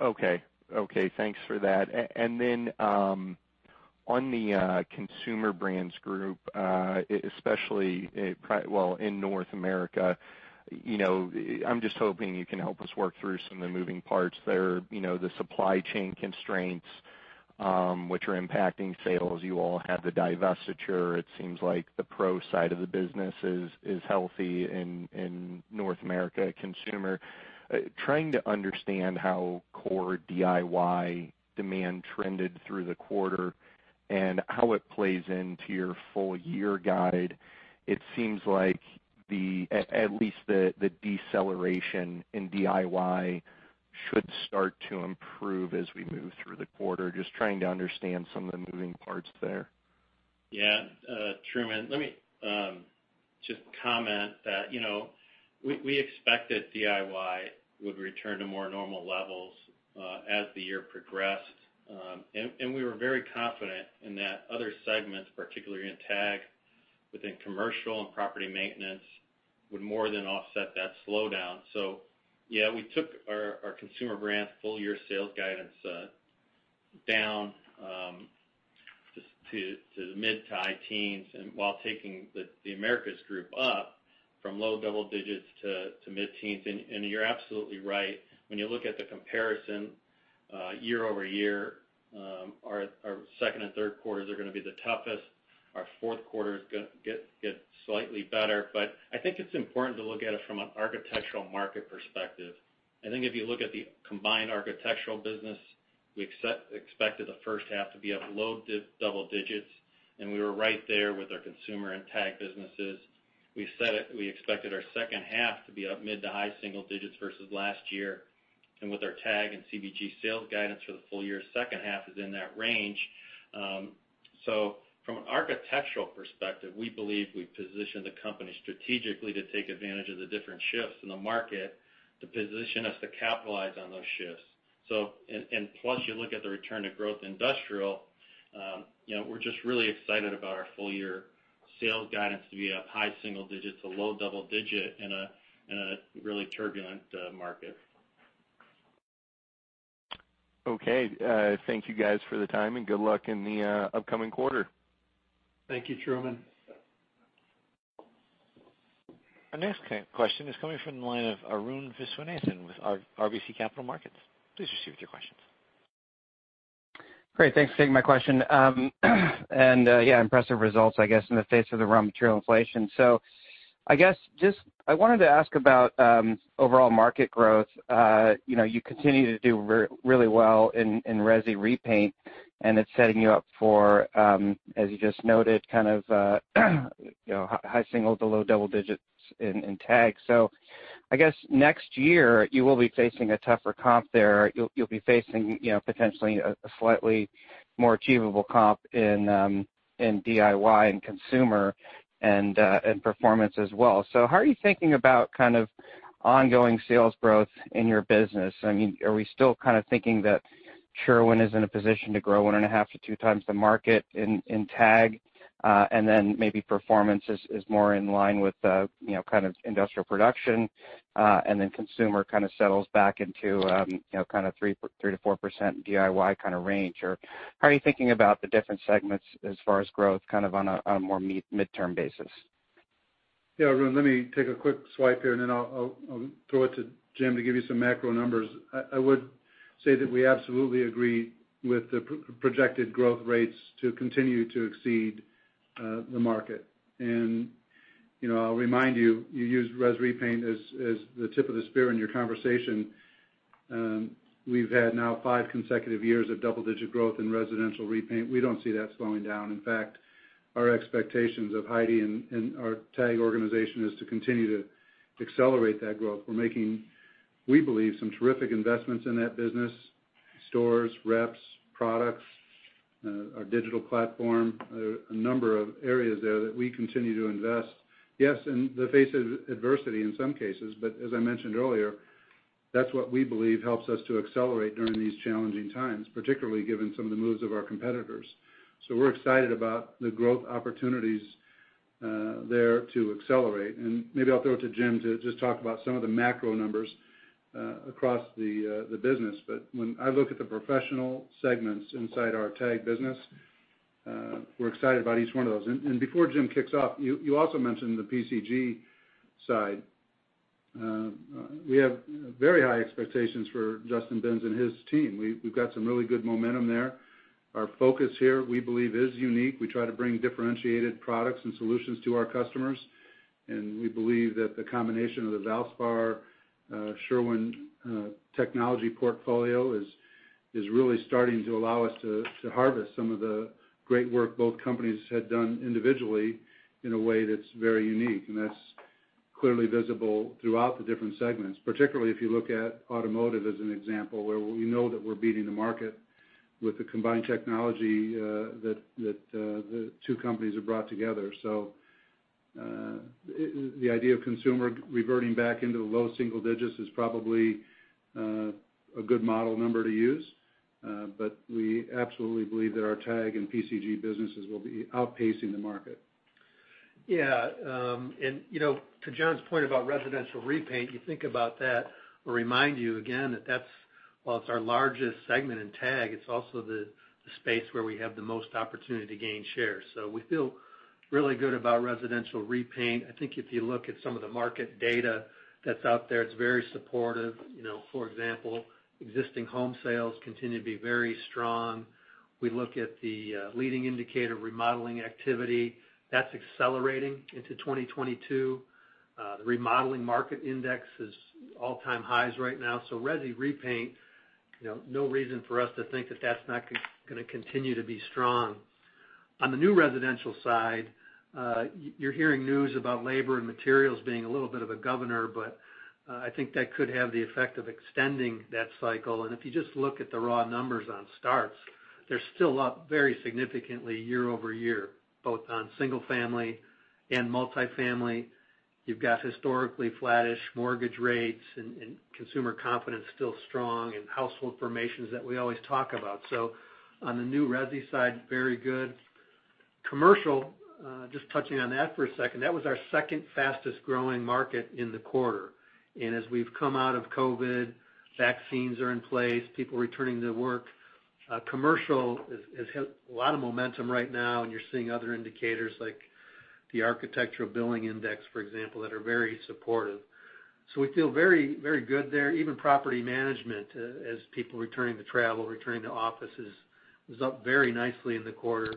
Okay. Thanks for that. On the Consumer Brands Group, especially in North America, I'm just hoping you can help us work through some of the moving parts there. The supply chain constraints, which are impacting sales. You all had the divestiture. It seems like the pro side of the business is healthy in North America consumer. Trying to understand how core DIY demand trended through the quarter and how it plays into your full-year guide. It seems like at least the deceleration in DIY should start to improve as we move through the quarter. Just trying to understand some of the moving parts there. Yeah. Truman, let me just comment that we expected DIY would return to more normal levels as the year progressed. We were very confident in that other segments, particularly in TAG within commercial and property maintenance, would more than offset that slowdown. Yeah, we took our Consumer Brands Group full-year sales guidance down just to the mid- to high-teens while taking The Americas Group up from low double-digits to mid-teens. You're absolutely right. When you look at the comparison year-over-year, our second and third quarters are going to be the toughest. Our fourth quarter is going to get slightly better. I think it's important to look at it from an architectural market perspective. I think if you look at the combined architectural business, we expected the first half to be up low double digits, and we were right there with our consumer and TAG businesses. We said we expected our second half to be up mid to high single digits versus last year. With our TAG and CBG sales guidance for the full year, second half is in that range. From an architectural perspective, we believe we've positioned the company strategically to take advantage of the different shifts in the market to position us to capitalize on those shifts. Plus, you look at the return to growth industrial, we're just really excited about our full-year sales guidance to be up high single digits to low double digit in a really turbulent market. Okay. Thank you guys for the time, and good luck in the upcoming quarter. Thank you, Truman. Our next question is coming from the line of Arun Viswanathan with RBC Capital Markets. Please proceed with your questions. Great. Thanks for taking my question. Yeah, impressive results, I guess, in the face of the raw material inflation. I wanted to ask about overall market growth. You continue to do really well in resi repaint, and it's setting you up for, as you just noted, kind of high singles to low double digits in TAG. I guess next year you will be facing a tougher comp there. You'll be facing potentially a slightly more achievable comp in DIY and consumer and performance as well. How are you thinking about kind of ongoing sales growth in your business? Are we still kind of thinking that Sherwin is in a position to grow 1.5 to 2x the market in TAG, and then maybe performance is more in line with kind of industrial production, and then consumer kind of settles back into kind of 3% to 4% DIY kind of range? How are you thinking about the different segments as far as growth, kind of on a more midterm basis? Yeah, Arun, let me take a quick swipe here, and then I'll throw it to Jim to give you some macro numbers. I would say that we absolutely agree with the projected growth rates to continue to exceed the market. I'll remind you used res repaint as the tip of the spear in your conversation. We've had now five consecutive years of double-digit growth in residential repaint. We don't see that slowing down. In fact, our expectations of Heidi and our TAG organization is to continue to accelerate that growth. We're making, we believe, some terrific investments in that business, stores, reps, products, our digital platform, a number of areas there that we continue to invest. Yes, in the face of adversity in some cases, but as I mentioned earlier, that's what we believe helps us to accelerate during these challenging times, particularly given some of the moves of our competitors. We're excited about the growth opportunities there to accelerate, and maybe I'll throw it to Jim to just talk about some of the macro numbers across the business. When I look at the professional segments inside our TAG business, we're excited about each one of those. Before Jim kicks off, you also mentioned the PCG side. We have very high expectations for Justin T. Binns and his team. We've got some really good momentum there. Our focus here, we believe, is unique. We try to bring differentiated products and solutions to our customers, and we believe that the combination of the Valspar, Sherwin technology portfolio is really starting to allow us to harvest some of the great work both companies had done individually in a way that's very unique, and that's clearly visible throughout the different segments. Particularly if you look at automotive as an example, where we know that we're beating the market with the combined technology that the two companies have brought together. The idea of consumer reverting back into the low single digits is probably a good model number to use. We absolutely believe that our TAG and PCG businesses will be outpacing the market. Yeah. To John's point about residential repaint, you think about that, we'll remind you again that while it's our largest segment in TAG, it's also the space where we have the most opportunity to gain share. We feel really good about residential repaint. I think if you look at some of the market data that's out there, it's very supportive. For example, existing home sales continue to be very strong. We look at the leading indicator remodeling activity. That's accelerating into 2022. The Remodeling Market Index is all-time highs right now. Resi repaint, no reason for us to think that that's not going to continue to be strong. On the new residential side, you're hearing news about labor and materials being a little bit of a governor, but I think that could have the effect of extending that cycle. If you just look at the raw numbers on starts, they're still up very significantly year-over-year, both on single-family and multi-family. You've got historically flattish mortgage rates and consumer confidence still strong and household formations that we always talk about. On the new resi side, very good. Commercial, just touching on that for a second, that was our second fastest growing market in the quarter. As we've come out of COVID, vaccines are in place, people returning to work. Commercial has a lot of momentum right now, and you're seeing other indicators like the Architectural Billing Index, for example, that are very supportive. We feel very good there. Even property management, as people returning to travel, returning to offices, was up very nicely in the quarter.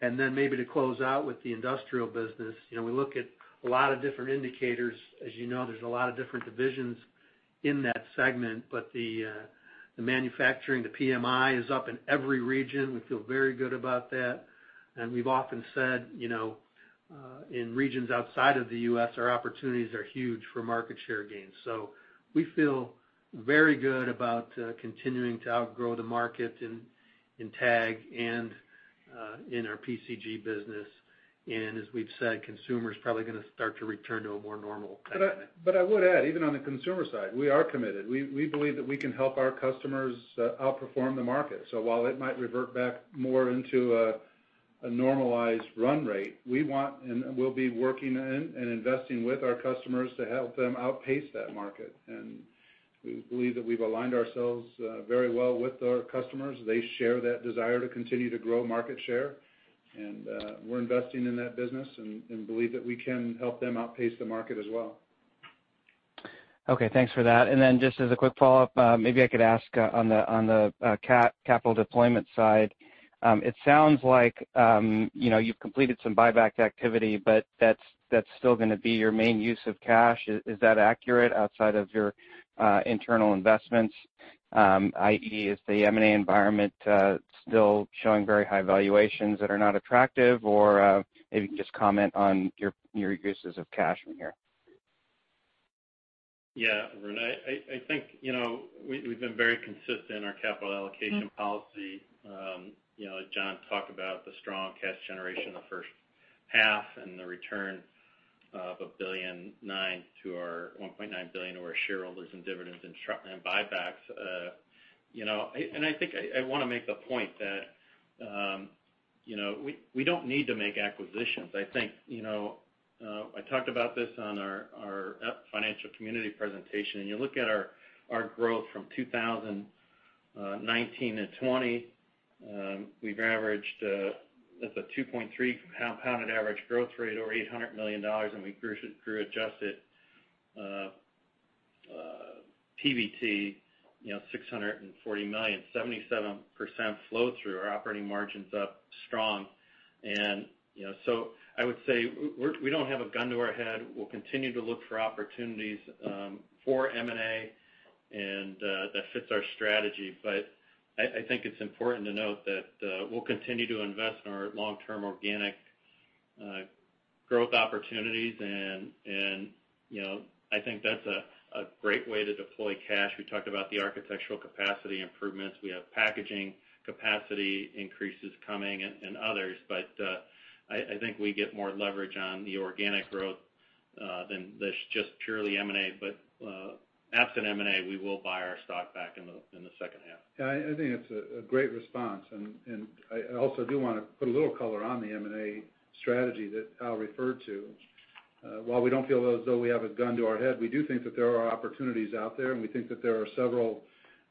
Then maybe to close out with the industrial business, we look at a lot of different indicators. As you know, there's a lot of different divisions in that segment, but the manufacturing, the PMI is up in every region. We feel very good about that, and we've often said, in regions outside of the U.S., our opportunities are huge for market share gains. We feel very good about continuing to outgrow the market in TAG and in our PCG business. As we've said, consumer's probably going to start to return to a more normal segment. I would add, even on the consumer side, we are committed. We believe that we can help our customers outperform the market. While it might revert back more into a normalized run rate, we want, and will be working and investing with our customers to help them outpace that market. We believe that we've aligned ourselves very well with our customers. They share that desire to continue to grow market share, and we're investing in that business and believe that we can help them outpace the market as well. Okay, thanks for that. Just as a quick follow-up, maybe I could ask on the capital deployment side. It sounds like you've completed some buyback activity, but that's still going to be your main use of cash. Is that accurate outside of your internal investments? I.e., is the M&A environment still showing very high valuations that are not attractive? Maybe you can just comment on your uses of cash from here. Yeah, Arun, I think we've been very consistent in our capital allocation policy. John talked about the strong cash generation the first half and the return of $1.9 billion to our shareholders in dividends and buybacks. I think I want to make the point that we don't need to make acquisitions. I talked about this on our Financial Community Presentation. You look at our growth from 2000. 2019 and 2020, we've averaged, that's a 2.3% compounded average growth rate or $800 million, and we grew adjusted PBT $640 million, 77% flow through our operating margins up strong. I would say, we don't have a gun to our head. We'll continue to look for opportunities for M&A, and that fits our strategy. I think it's important to note that we'll continue to invest in our long-term organic growth opportunities and I think that's a great way to deploy cash. We talked about the architectural capacity improvements. We have packaging capacity increases coming and others. I think we get more leverage on the organic growth than just purely M&A. Absent M&A, we will buy our stock back in the second half. Yeah, I think that's a great response, and I also do want to put a little color on the M&A strategy that Al referred to. While we don't feel as though we have a gun to our head, we do think that there are opportunities out there, and we think that there are several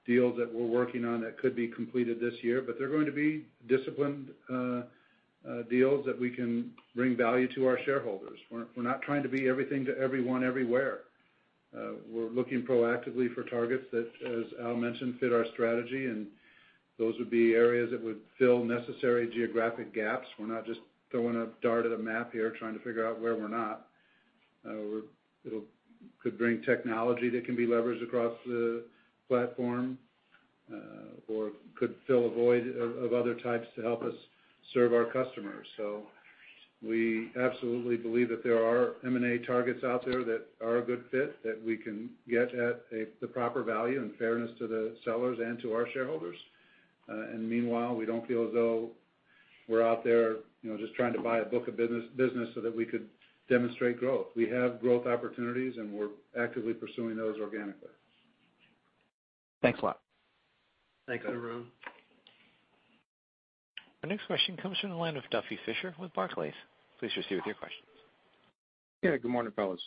deals that we're working on that could be completed this year. They're going to be disciplined deals that we can bring value to our shareholders. We're not trying to be everything to everyone everywhere. We're looking proactively for targets that, as Al mentioned, fit our strategy, and those would be areas that would fill necessary geographic gaps. We're not just throwing a dart at a map here, trying to figure out where we're not. It could bring technology that can be leveraged across the platform, or could fill a void of other types to help us serve our customers. We absolutely believe that there are M&A targets out there that are a good fit, that we can get at the proper value and fairness to the sellers and to our shareholders. Meanwhile, we don't feel as though we're out there just trying to buy a book of business so that we could demonstrate growth. We have growth opportunities, and we're actively pursuing those organically. Thanks a lot. Thank you. Thanks, Arun. Our next question comes from the line of Duffy Fischer with Barclays. Please proceed with your questions. Yeah, good morning, fellas.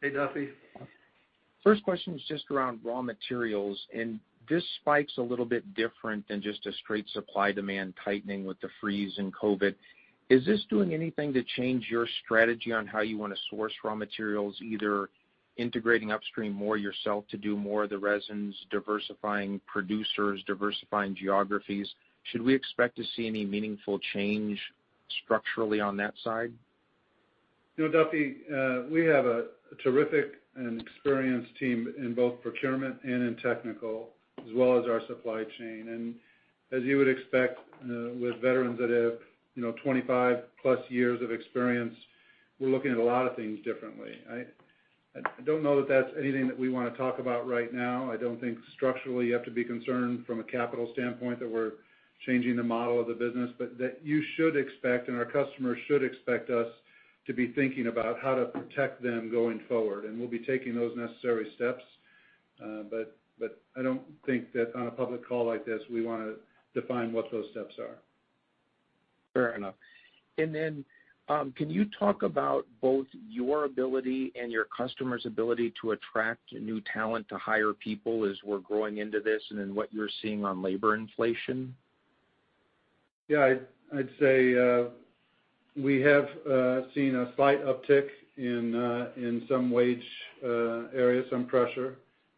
Hey, Duffy. First question is just around raw materials, and this spike's a little bit different than just a straight supply demand tightening with the freeze and COVID. Is this doing anything to change your strategy on how you want to source raw materials, either integrating upstream more yourself to do more of the resins, diversifying producers, diversifying geographies? Should we expect to see any meaningful change structurally on that side? Duffy, we have a terrific and experienced team in both procurement and in technical, as well as our supply chain. As you would expect with veterans that have 25+ years of experience, we're looking at a lot of things differently. I don't know that that's anything that we want to talk about right now. I don't think structurally you have to be concerned from a capital standpoint that we're changing the model of the business, but that you should expect, and our customers should expect us to be thinking about how to protect them going forward. We'll be taking those necessary steps. I don't think that on a public call like this, we want to define what those steps are. Fair enough. Can you talk about both your ability and your customers' ability to attract new talent to hire people as we're growing into this, and then what you're seeing on labor inflation? Yeah, I'd say we have seen a slight uptick in some wage areas, some pressure.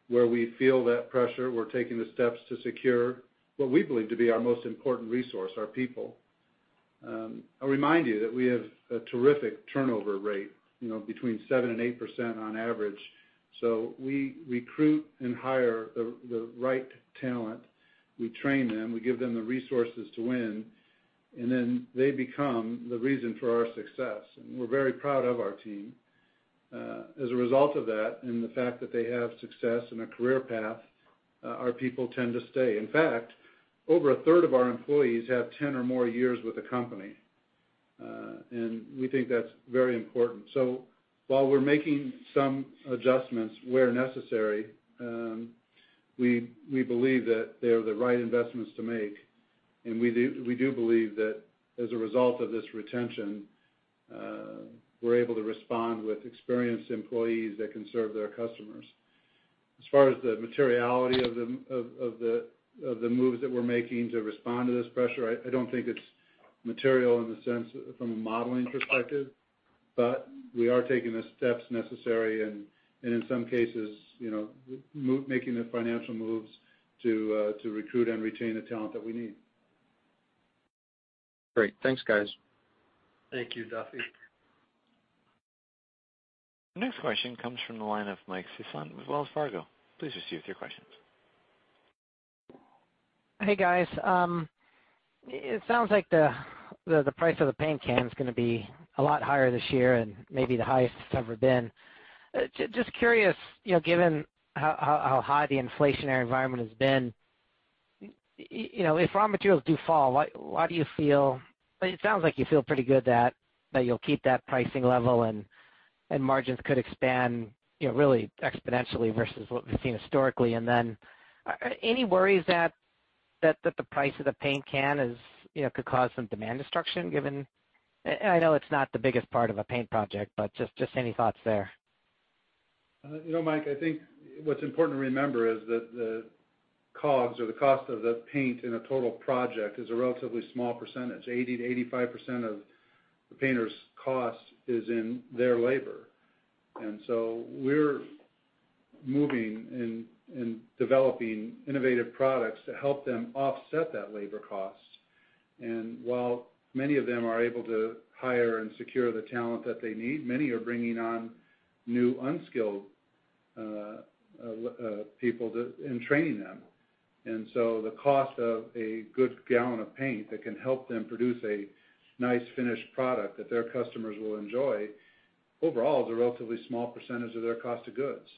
Where we feel that pressure, we're taking the steps to secure what we believe to be our most important resource, our people. I'll remind you that we have a terrific turnover rate, between 7% and 8% on average. We recruit and hire the right talent. We train them, we give them the resources to win, then they become the reason for our success. We're very proud of our team. As a result of that and the fact that they have success and a career path, our people tend to stay. In fact, over a third of our employees have 10 or more years with the company. We think that's very important. While we're making some adjustments where necessary, we believe that they are the right investments to make. We do believe that as a result of this retention, we're able to respond with experienced employees that can serve their customers. As far as the materiality of the moves that we're making to respond to this pressure, I don't think it's material in the sense from a modeling perspective. We are taking the steps necessary and in some cases, making the financial moves to recruit and retain the talent that we need. Great. Thanks, guys. Thank you, Duffy. The next question comes from the line of Michael Sison with Wells Fargo. Please proceed with your questions. Hey, guys. It sounds like the price of the paint can is going to be a lot higher this year and maybe the highest it's ever been. Just curious, given how high the inflationary environment has been, if raw materials do fall, it sounds like you feel pretty good that you'll keep that pricing level and margins could expand really exponentially versus what we've seen historically. Any worries that the price of the paint can could cause some demand destruction given I know it's not the biggest part of a paint project, but just any thoughts there? You know, Mike, I think what's important to remember is that the COGS or the cost of the paint in a total project is a relatively small percentage. 80%-85% of the painter's cost is in their labor. We're moving and developing innovative products to help them offset that labor cost. While many of them are able to hire and secure the talent that they need, many are bringing on new unskilled people and training them. So the cost of a good gallon of paint that can help them produce a nice finished product that their customers will enjoy, overall, is a relatively small percentage of their cost of goods.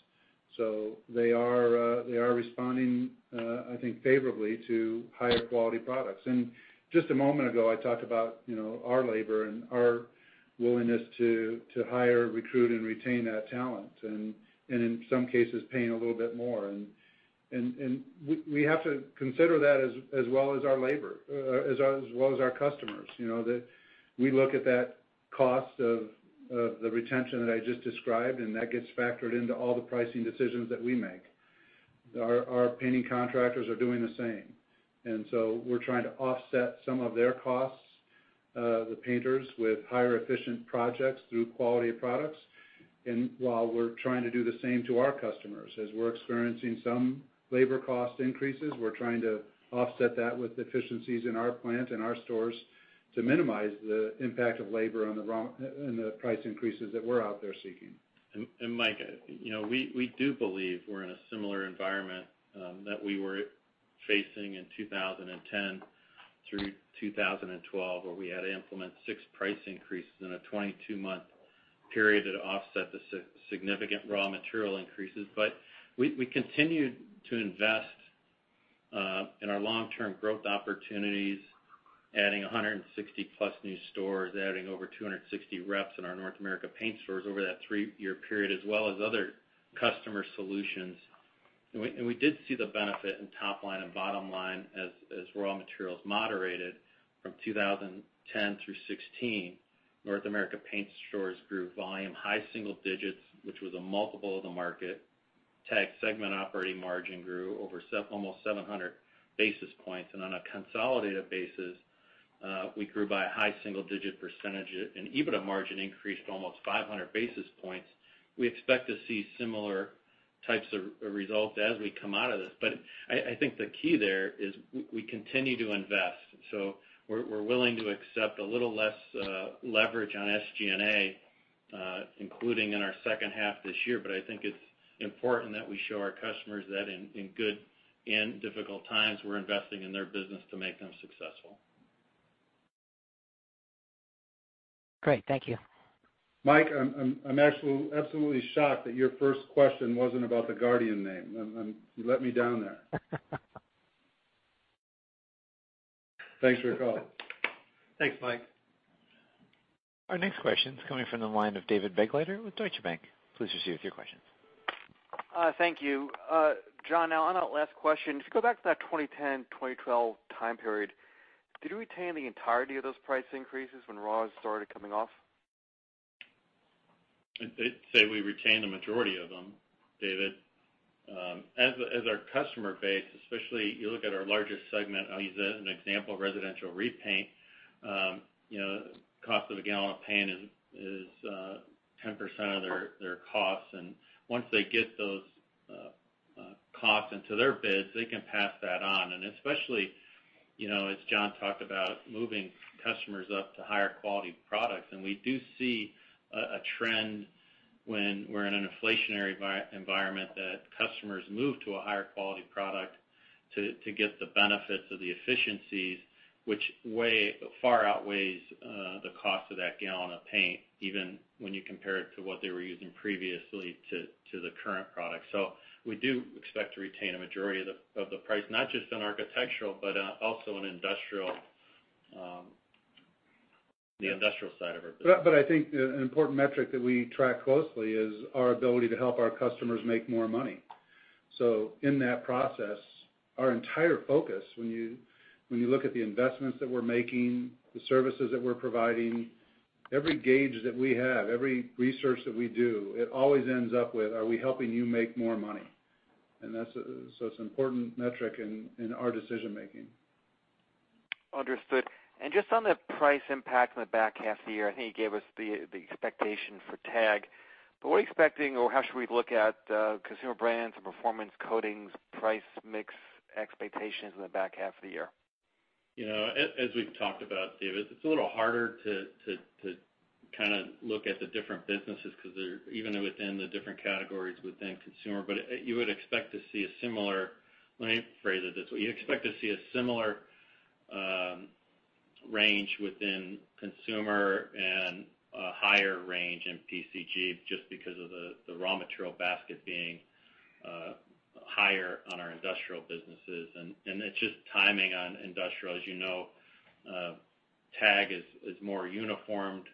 They are responding, I think, favorably to higher quality products. Just a moment ago, I talked about our labor and our willingness to hire, recruit, and retain that talent, and in some cases, paying a little bit more. We have to consider that as well as our labor, as well as our customers. That we look at that cost of the retention that I just described, and that gets factored into all the pricing decisions that we make. Our painting contractors are doing the same, we're trying to offset some of their costs, the painters, with higher efficient projects through quality of products. While we're trying to do the same to our customers, as we're experiencing some labor cost increases, we're trying to offset that with efficiencies in our plant and our stores to minimize the impact of labor on the price increases that we're out there seeking. Mike, we do believe we're in a similar environment that we were facing in 2010 through 2012, where we had to implement six price increases in a 22-month period to offset the significant raw material increases. We continued to invest in our long-term growth opportunities, adding 160+ new stores, adding over 260 reps in our North America Paint stores over that three-year period, as well as other customer solutions. We did see the benefit in top line and bottom line as raw materials moderated from 2010 through 2016. North America Paint stores grew volume high single digits, which was a multiple of the market. TAG segment operating margin grew over almost 700 basis points. On a consolidated basis, we grew by a high single-digit percentage and EBITDA margin increased almost 500 basis points. We expect to see similar types of results as we come out of this, but I think the key there is we continue to invest. We're willing to accept a little less leverage on SG&A, including in our second half this year. I think it's important that we show our customers that in good and difficult times, we're investing in their business to make them successful. Great. Thank you. Mike, I'm absolutely shocked that your first question wasn't about the Guardian name. You let me down there. Thanks for your call. Thanks, Mike. Our next question's coming from the line of David Begleiter with Deutsche Bank. Please proceed with your question. Thank you. John, on that last question, if you go back to that 2010, 2012 time period, did you retain the entirety of those price increases when raws started coming off? I'd say we retained the majority of them, David. As our customer base, especially you look at our largest segment, I'll use as an example, residential repaint, cost of a gallon of paint is 10% of their costs. Once they get those costs into their bids, they can pass that on. Especially, as John talked about, moving customers up to higher quality products. We do see a trend when we're in an inflationary environment that customers move to a higher quality product to get the benefits of the efficiencies, which far outweighs the cost of that gallon of paint, even when you compare it to what they were using previously to the current product. We do expect to retain a majority of the price, not just in architectural, but also in the industrial side of our business. I think an important metric that we track closely is our ability to help our customers make more money. In that process, our entire focus, when you look at the investments that we're making, the services that we're providing, every gauge that we have, every research that we do, it always ends up with, are we helping you make more money? It's an important metric in our decision making. Understood. Just on the price impact in the back half of the year, I think you gave us the expectation for TAG, but what are you expecting or how should we look at Consumer Brands and Performance Coatings price mix expectations in the back half of the year? As we've talked about, David, it's a little harder to kind of look at the different businesses because even within the different categories within consumer. Let me rephrase it this way. You'd expect to see a similar range within consumer and a higher range in PCG just because of the raw material basket being higher on our industrial businesses. It's just timing on industrial. As you know, TAG is more uniformed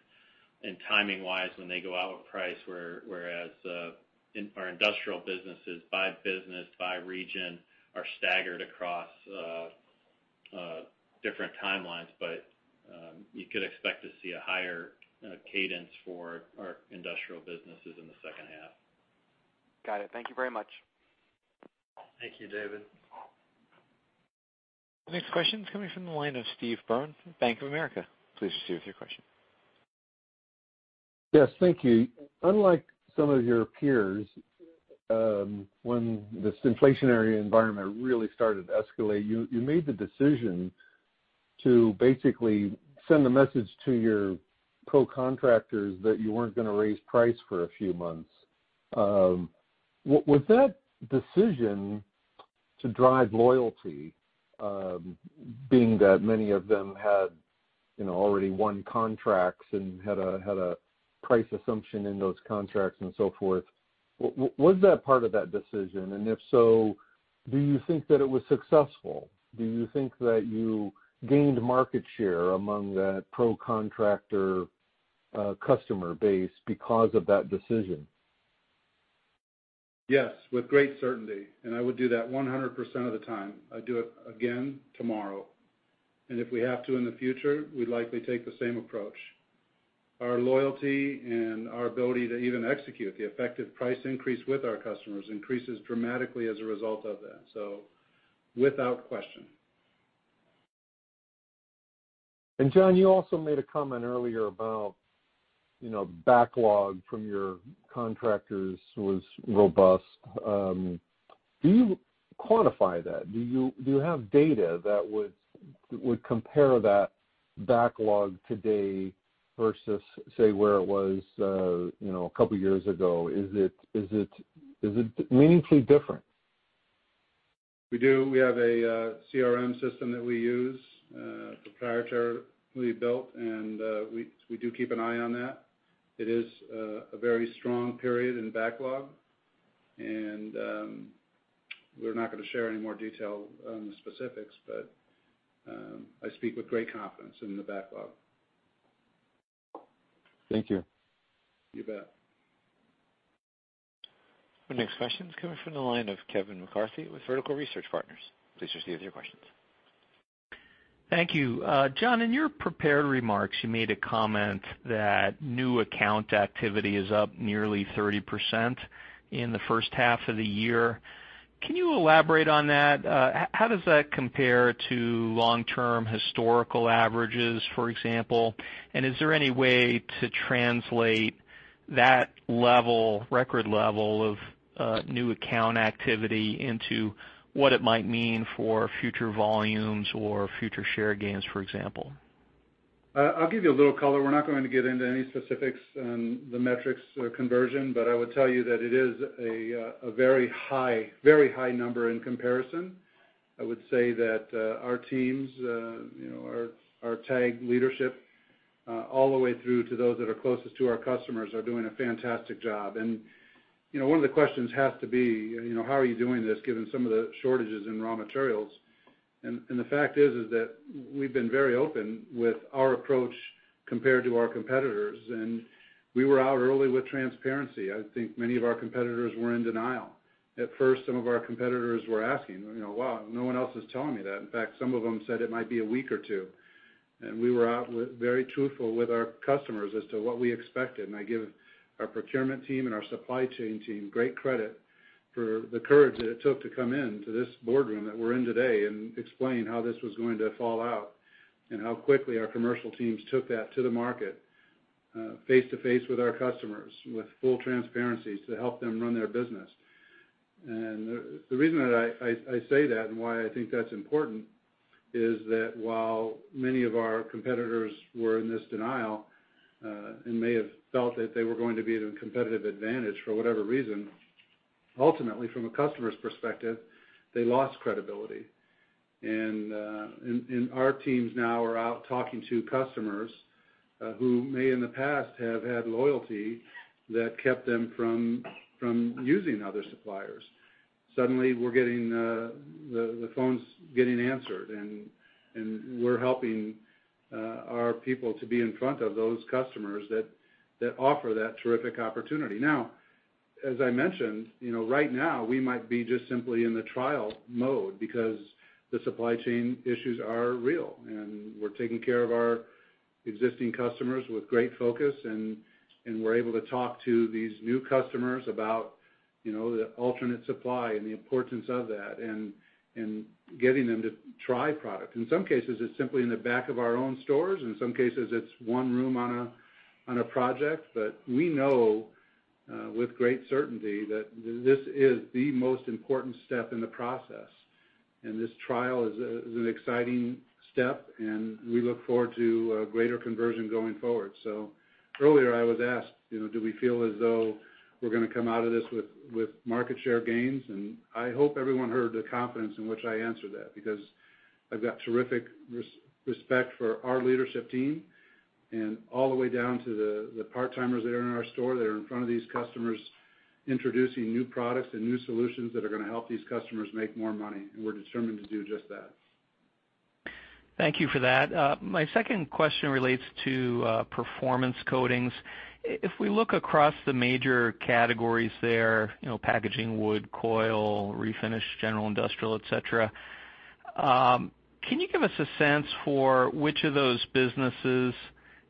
in timing-wise when they go out with price, whereas our industrial businesses by business, by region, are staggered across. Different timelines, but you could expect to see a higher cadence for our industrial businesses in the second half. Got it. Thank you very much. Thank you, David. The next question is coming from the line of Steve Byrne from Bank of America. Please proceed with your question. Yes, thank you. Unlike some of your peers, when this inflationary environment really started to escalate, you made the decision to basically send a message to your pro contractors that you weren't going to raise price for a few months. Was that decision to drive loyalty, being that many of them had already won contracts and had a price assumption in those contracts and so forth? Was that part of that decision? If so, do you think that it was successful? Do you think that you gained market share among that pro contractor customer base because of that decision? Yes, with great certainty, I would do that 100% of the time. I'd do it again tomorrow. If we have to in the future, we'd likely take the same approach. Our loyalty and our ability to even execute the effective price increase with our customers increases dramatically as a result of that. Without question. John, you also made a comment earlier about backlog from your contractors was robust. Do you quantify that? Do you have data that would compare that backlog today versus, say, where it was a couple of years ago? Is it meaningfully different? We do. We have a CRM system that we use, proprietarily built, and we do keep an eye on that. It is a very strong period in backlog, and we're not going to share any more detail on the specifics, but I speak with great confidence in the backlog. Thank you. You bet. Our next question is coming from the line of Kevin McCarthy with Vertical Research Partners. Please proceed with your questions. Thank you. John, in your prepared remarks, you made a comment that new account activity is up nearly 30% in the first half of the year. Can you elaborate on that? How does that compare to long-term historical averages, for example? Is there any way to translate that record level of new account activity into what it might mean for future volumes or future share gains, for example? I'll give you a little color. We're not going to get into any specifics on the metrics conversion, but I would tell you that it is a very high number in comparison. I would say that our teams, our TAG leadership, all the way through to those that are closest to our customers, are doing a fantastic job. One of the questions has to be, how are you doing this given some of the shortages in raw materials? The fact is that we've been very open with our approach compared to our competitors. We were out early with transparency. I think many of our competitors were in denial. At first, some of our competitors were asking, "Well, no one else is telling me that." In fact, some of them said it might be a week or two. We were out very truthful with our customers as to what we expected. I give our procurement team and our supply chain team great credit for the courage that it took to come into this boardroom that we're in today and explain how this was going to fall out, and how quickly our commercial teams took that to the market, face-to-face with our customers, with full transparency to help them run their business. The reason that I say that and why I think that's important is that while many of our competitors were in this denial, and may have felt that they were going to be at a competitive advantage for whatever reason, ultimately, from a customer's perspective, they lost credibility. Our teams now are out talking to customers who may in the past have had loyalty that kept them from using other suppliers. Suddenly, the phone's getting answered, and we're helping our people to be in front of those customers that offer that terrific opportunity. Now, as I mentioned, right now, we might be just simply in the trial mode because the supply chain issues are real, and we're taking care of our existing customers with great focus, and we're able to talk to these new customers about the alternate supply and the importance of that and getting them to try product. In some cases, it's simply in the back of our own stores. In some cases, it's one room on a project. We know with great certainty that this is the most important step in the process, and this trial is an exciting step, and we look forward to greater conversion going forward. Earlier I was asked, do we feel as though we're going to come out of this with market share gains? I hope everyone heard the confidence in which I answered that, because I've got terrific respect for our leadership team and all the way down to the part-timers that are in our store, that are in front of these customers introducing new products and new solutions that are going to help these customers make more money, and we're determined to do just that. Thank you for that. My second question relates to Performance Coatings. If we look across the major categories there, packaging, wood, coil, refinish, General Industrial, et cetera. Can you give us a sense for which of those businesses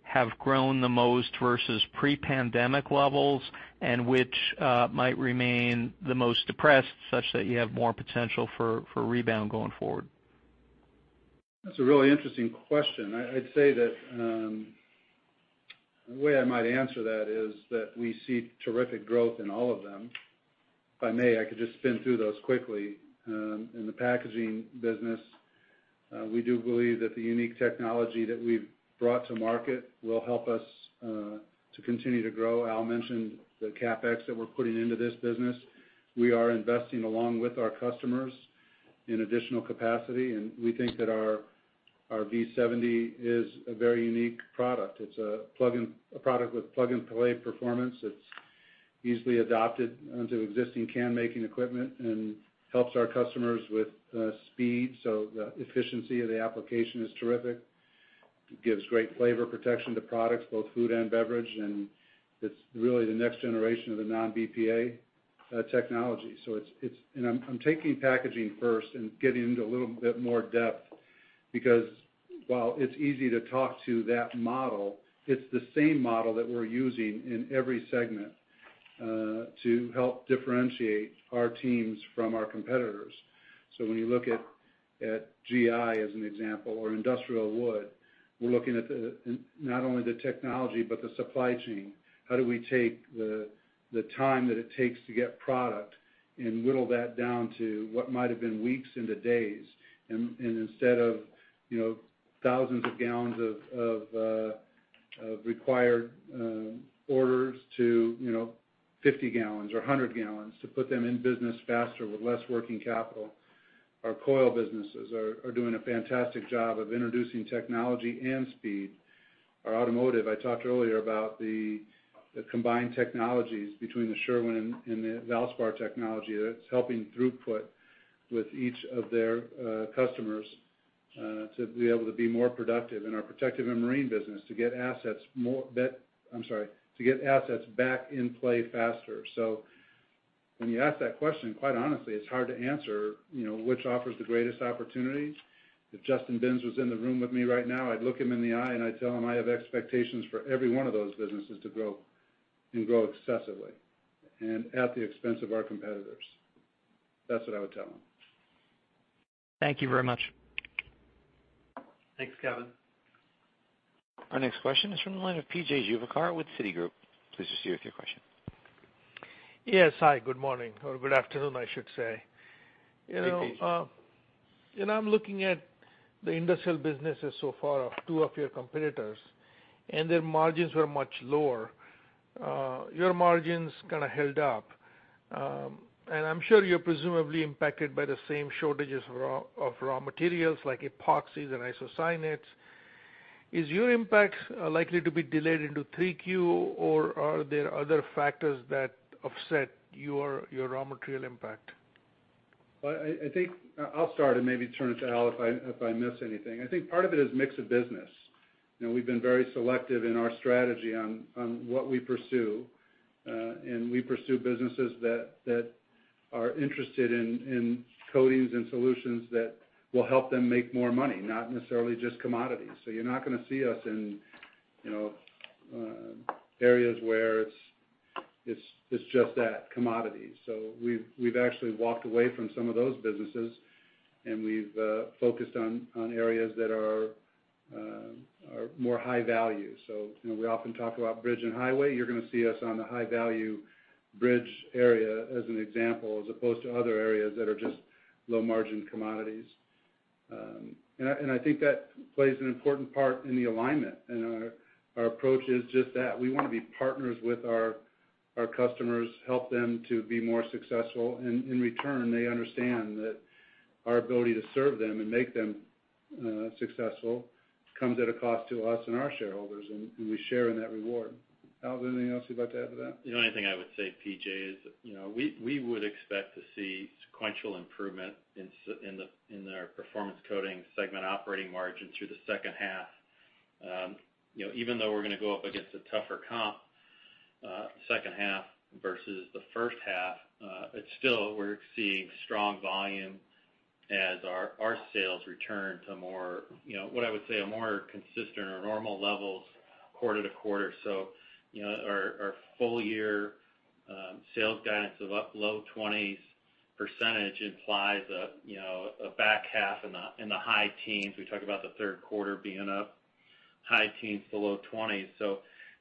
have grown the most versus pre-pandemic levels, and which might remain the most depressed, such that you have more potential for rebound going forward? That's a really interesting question. The way I might answer that is that we see terrific growth in all of them. If I may, I could just spin through those quickly. In the packaging business, we do believe that the unique technology that we've brought to market will help us to continue to grow. Al mentioned the CapEx that we're putting into this business. We are investing along with our customers in additional capacity, and we think that our V70 is a very unique product. It's a product with plug-and-play performance that's easily adopted onto existing can-making equipment and helps our customers with speed. The efficiency of the application is terrific. It gives great flavor protection to products, both food and beverage, and it's really the next generation of the non-BPA technology. I'm taking packaging first and getting into a little bit more depth because, while it's easy to talk to that model, it's the same model that we're using in every segment to help differentiate our teams from our competitors. When you look at GI as an example, or industrial wood, we're looking at not only the technology, but the supply chain. How do we take the time that it takes to get product and whittle that down to what might have been weeks into days, and instead of thousands of gallons of required orders to 50 gallons or 100 gallons to put them in business faster with less working capital. Our coil businesses are doing a fantastic job of introducing technology and speed. Our automotive, I talked earlier about the combined technologies between the Sherwin and the Valspar technology that's helping throughput with each of their customers to be able to be more productive. In our protective and marine business, to get assets back in play faster. When you ask that question, quite honestly, it's hard to answer which offers the greatest opportunities. If Justin T. Binns was in the room with me right now, I'd look him in the eye, and I'd tell him I have expectations for every 1 of those businesses to grow and grow excessively, and at the expense of our competitors. That's what I would tell him. Thank you very much. Thanks, Kevin. Our next question is from the line of P.J. Juvekar with Citigroup. Please proceed with your question. Yes. Hi. Good morning. Or good afternoon, I should say. Hey, P.J. I'm looking at the industrial businesses so far of two of your competitors, and their margins were much lower. Your margins kind of held up. I'm sure you're presumably impacted by the same shortages of raw materials like epoxies and isocyanates. Is your impact likely to be delayed into 3Q, or are there other factors that offset your raw material impact? I'll start and maybe turn it to Allen if I miss anything. I think part of it is mix of business. We've been very selective in our strategy on what we pursue. We pursue businesses that are interested in coatings and solutions that will help them make more money, not necessarily just commodities. You're not going to see us in areas where it's just that, commodities. We've actually walked away from some of those businesses, and we've focused on areas that are more high value. We often talk about bridge and highway. You're going to see us on the high-value bridge area, as an example, as opposed to other areas that are just low-margin commodities. I think that plays an important part in the alignment, and our approach is just that. We want to be partners with our customers, help them to be more successful. In return, they understand that our ability to serve them and make them successful comes at a cost to us and our shareholders, and we share in that reward. Allen, anything else you'd like to add to that? The only thing I would say, P.J., is we would expect to see sequential improvement in our Performance Coatings segment operating margin through the second half. Even though we're going to go up against a tougher comp second half versus the first half, still we're seeing strong volume as our sales return to what I would say are more consistent or normal levels quarter to quarter. Our full year sales guidance of up low 20% implies a back half in the high teens. We talk about the third quarter being up high teens to low 20s.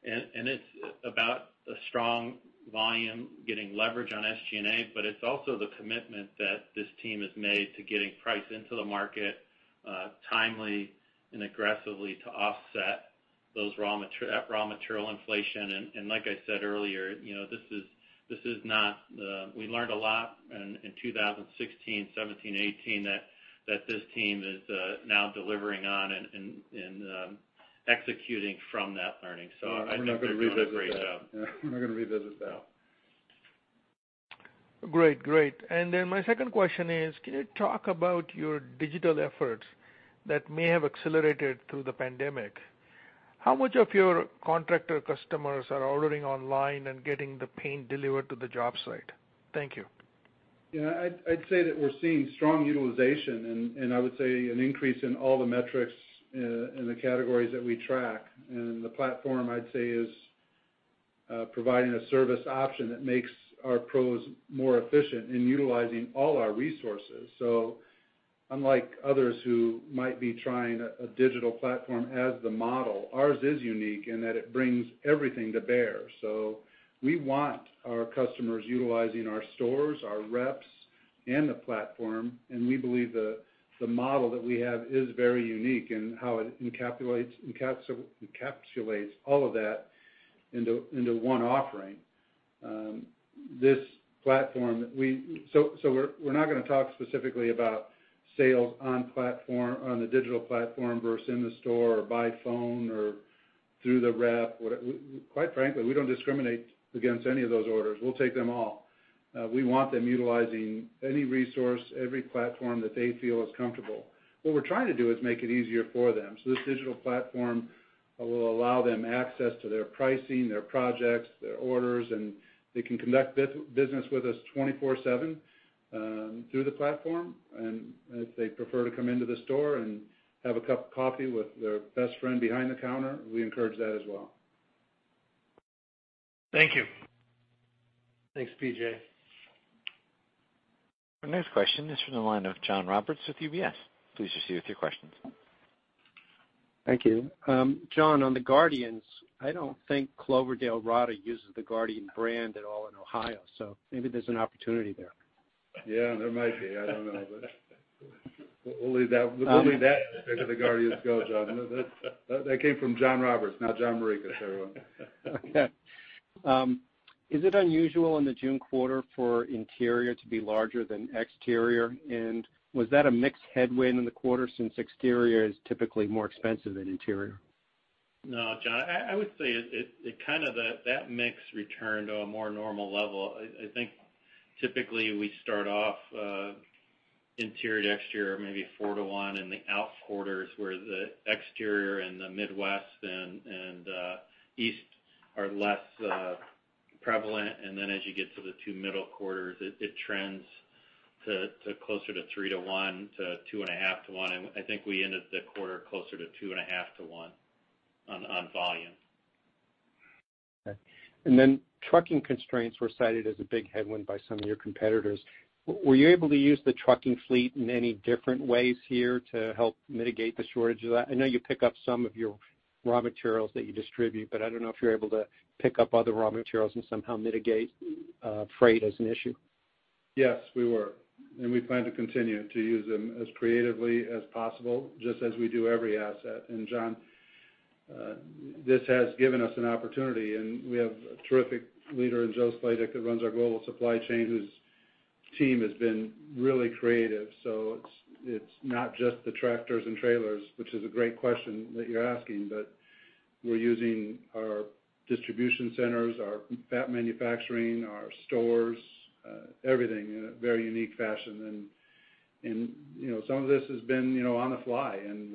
It's about a strong volume getting leverage on SG&A, but it's also the commitment that this team has made to getting price into the market timely and aggressively to offset that raw material inflation. Like I said earlier, we learned a lot in 2016, 2017, 2018 that this team is now delivering on and executing from that learning. I think they're doing a great job. We're not going to revisit that. Allen, we're not going to revisit that. Great. My second question is, can you talk about your digital efforts that may have accelerated through the pandemic? How much of your contractor customers are ordering online and getting the paint delivered to the job site? Thank you. Yeah, I'd say that we're seeing strong utilization, and I would say an increase in all the metrics in the categories that we track. The platform, I'd say, is providing a service option that makes our pros more efficient in utilizing all our resources. Unlike others who might be trying a digital platform as the model, ours is unique in that it brings everything to bear. We want our customers utilizing our stores, our reps, and the platform, and we believe the model that we have is very unique in how it encapsulates all of that into one offering. We're not going to talk specifically about sales on the digital platform versus in the store or by phone or through the rep. Quite frankly, we don't discriminate against any of those orders. We'll take them all. We want them utilizing any resource, every platform that they feel is comfortable. What we're trying to do is make it easier for them. This digital platform will allow them access to their pricing, their projects, their orders, and they can conduct business with us 24/7 through the platform. If they prefer to come into the store and have a cup of coffee with their best friend behind the counter, we encourage that as well. Thank you. Thanks, P.J. Our next question is from the line of John Roberts with UBS. Please proceed with your questions. Thank you. John, on the Guardians, I don't think Cloverdale Paint uses the Guardian brand at all in Ohio. Maybe there's an opportunity there. Yeah, there might be. I don't know. We'll leave that to the Cleveland Guardians to go, John. That came from John Roberts, not John Morikis. Is it unusual in the June quarter for interior to be larger than exterior? Was that a mixed headwind in the quarter since exterior is typically more expensive than interior? No, John, I would say that mix returned to a more normal level. I think typically we start off interior to exterior maybe four to one in the out quarters, where the exterior and the Midwest and East are less prevalent. As you get to the two middle quarters, it trends to closer to three to one to two and a half to one. I think we ended the quarter closer to two and a half to one on volume. Okay. Trucking constraints were cited as a big headwind by some of your competitors. Were you able to use the trucking fleet in any different ways here to help mitigate the shortage of that? I know you pick up some of your raw materials that you distribute, but I don't know if you're able to pick up other raw materials and somehow mitigate freight as an issue. Yes, we were, and we plan to continue to use them as creatively as possible, just as we do every asset. John, this has given us an opportunity, and we have a terrific leader in Joe Sladek that runs our global supply chain, whose team has been really creative. It's not just the tractors and trailers, which is a great question that you're asking. We're using our distribution centers, our fat manufacturing, our stores, everything in a very unique fashion. Some of this has been on the fly, and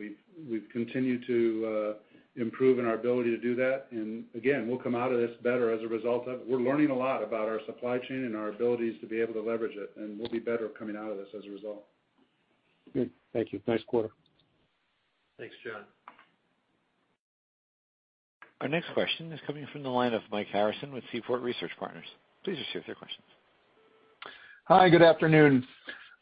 we've continued to improve in our ability to do that. Again, we'll come out of this better as a result of it. We're learning a lot about our supply chain and our abilities to be able to leverage it, and we'll be better coming out of this as a result. Good, thank you. Nice quarter. Thanks, John. Our next question is coming from the line of Mike Harrison with Seaport Research Partners. Please proceed with your questions. Hi, good afternoon.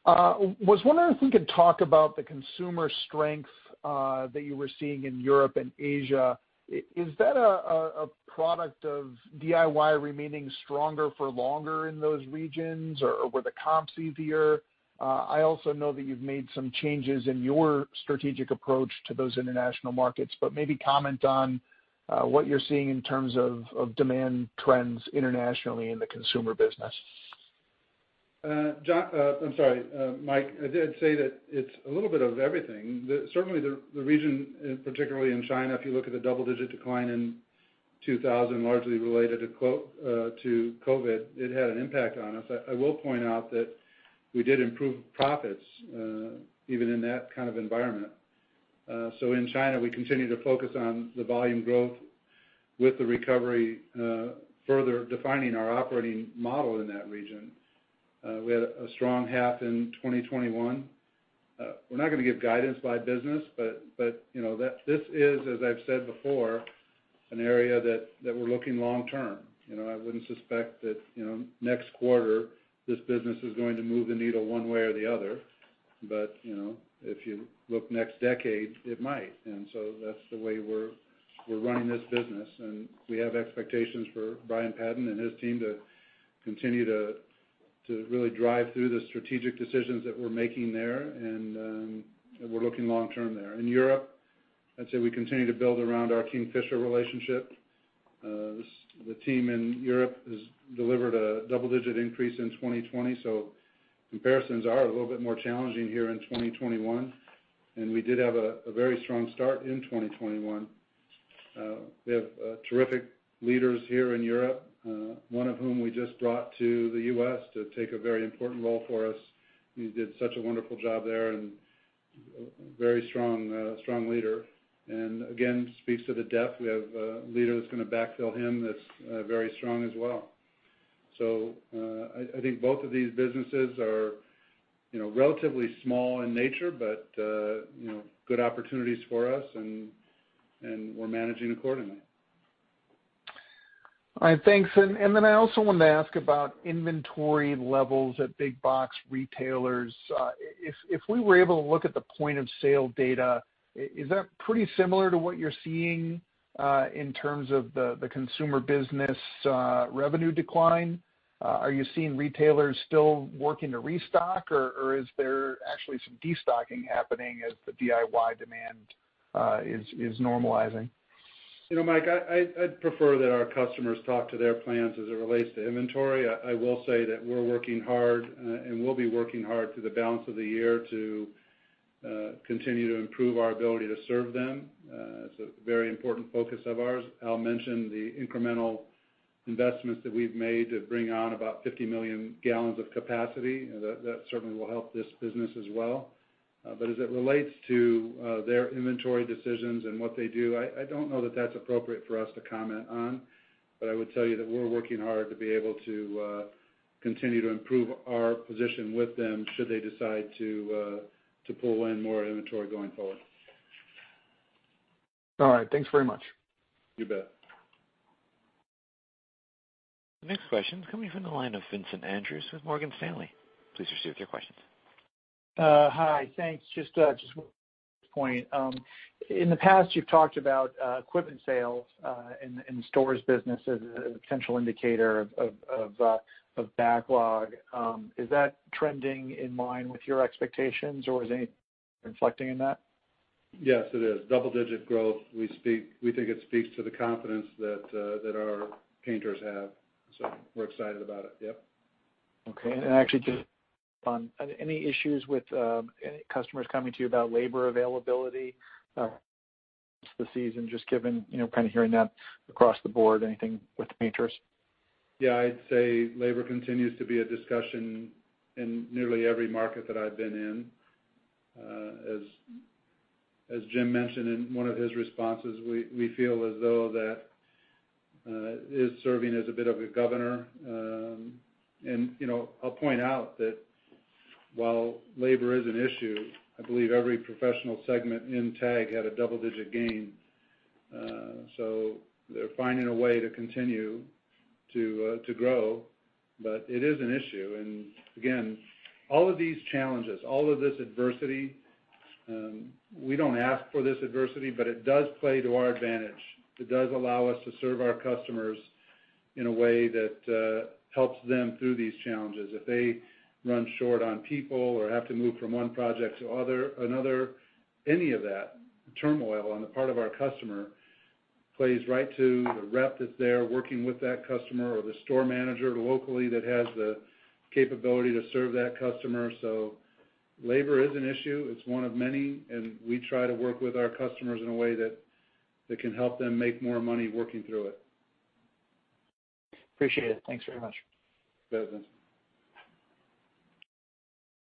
Was wondering if we could talk about the consumer strength that you were seeing in Europe and Asia. Is that a product of DIY remaining stronger for longer in those regions, or were the comps easier? I also know that you've made some changes in your strategic approach to those international markets. Maybe comment on what you're seeing in terms of demand trends internationally in the consumer business. Mike, I did say that it's a little bit of everything. Certainly the region, particularly in China, if you look at the double-digit decline in 2000, largely related to COVID, it had an impact on us. I will point out that we did improve profits even in that kind of environment. In China, we continue to focus on the volume growth with the recovery, further defining our operating model in that region. We had a strong half in 2021. We're not going to give guidance by business, this is, as I've said before, an area that we're looking long term. I wouldn't suspect that next quarter this business is going to move the needle one way or the other. If you look next decade, it might. That's the way we're running this business. We have expectations for Brian Patten and his team to continue to really drive through the strategic decisions that we're making there. We're looking long term there. In Europe, I'd say we continue to build around our Kingfisher relationship. The team in Europe has delivered a double-digit increase in 2020, so comparisons are a little bit more challenging here in 2021. We did have a very strong start in 2021. We have terrific leaders here in Europe, one of whom we just brought to the U.S. to take a very important role for us. He did such a wonderful job there, and very strong leader. Again, speaks to the depth. We have a leader that's going to backfill him that's very strong as well. I think both of these businesses are relatively small in nature, but good opportunities for us and we're managing accordingly. All right. Thanks. I also wanted to ask about inventory levels at big box retailers. If we were able to look at the point of sale data, is that pretty similar to what you're seeing, in terms of the consumer business revenue decline? Are you seeing retailers still working to restock, or is there actually some de-stocking happening as the DIY demand is normalizing? Mike, I'd prefer that our customers talk to their plans as it relates to inventory. I will say that we're working hard and will be working hard through the balance of the year to continue to improve our ability to serve them. It's a very important focus of ours. Al mentioned the incremental investments that we've made to bring on about 50 million gallons of capacity. That certainly will help this business as well. As it relates to their inventory decisions and what they do, I don't know that that's appropriate for us to comment on. I would tell you that we're working hard to be able to continue to improve our position with them should they decide to pull in more inventory going forward. All right. Thanks very much. You bet. The next question is coming from the line of Vincent Andrews with Morgan Stanley. Please proceed with your questions. Hi, thanks. Just one point. In the past, you've talked about equipment sales in the stores business as a potential indicator of backlog. Is that trending in line with your expectations, or is any reflecting in that? Yes, it is. Double-digit growth. We think it speaks to the confidence that our painters have, so we're excited about it. Yep. Okay. Actually, just on any issues with any customers coming to you about labor availability this season, just kind of hearing that across the board, anything with painters? Yeah, I'd say labor continues to be a discussion in nearly every market that I've been in. As Jim mentioned in one of his responses, we feel as though that is serving as a bit of a governor. I'll point out that while labor is an issue, I believe every professional segment in TAG had a double-digit gain. They're finding a way to continue to grow, but it is an issue. Again, all of these challenges, all of this adversity, we don't ask for this adversity, but it does play to our advantage. It does allow us to serve our customers in a way that helps them through these challenges. If they run short on people or have to move from one project to another, any of that turmoil on the part of our customer plays right to the rep that's there working with that customer or the store manager locally that has the capability to serve that customer. Labor is an issue. It's one of many, and we try to work with our customers in a way that can help them make more money working through it. Appreciate it. Thanks very much. You bet, Vincent.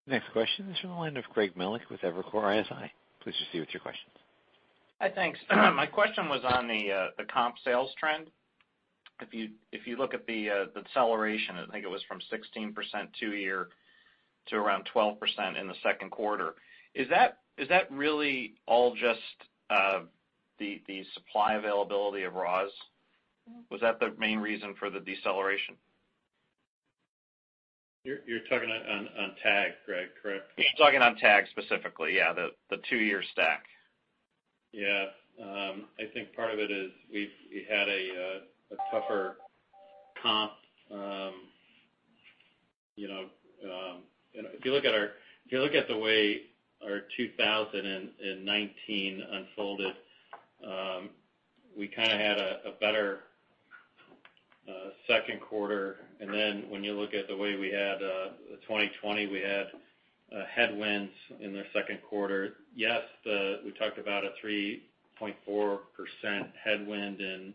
Next question is from the line of Greg Melich with Evercore ISI. Please proceed with your questions. Hi, thanks. My question was on the comp sales trend. If you look at the acceleration, I think it was from 16% two-year to around 12% in the second quarter. Is that really all just the supply availability of raws? Was that the main reason for the deceleration? You're talking on TAG, Greg, correct? Yes, talking on TAG specifically. Yeah, the two-year stack. Yeah. I think part of it is we've had a tougher comp. If you look at the way our 2019 unfolded, we kind of had a better second quarter. When you look at the way we had 2020, we had headwinds in the second quarter. Yes, we talked about a 3.4% headwind in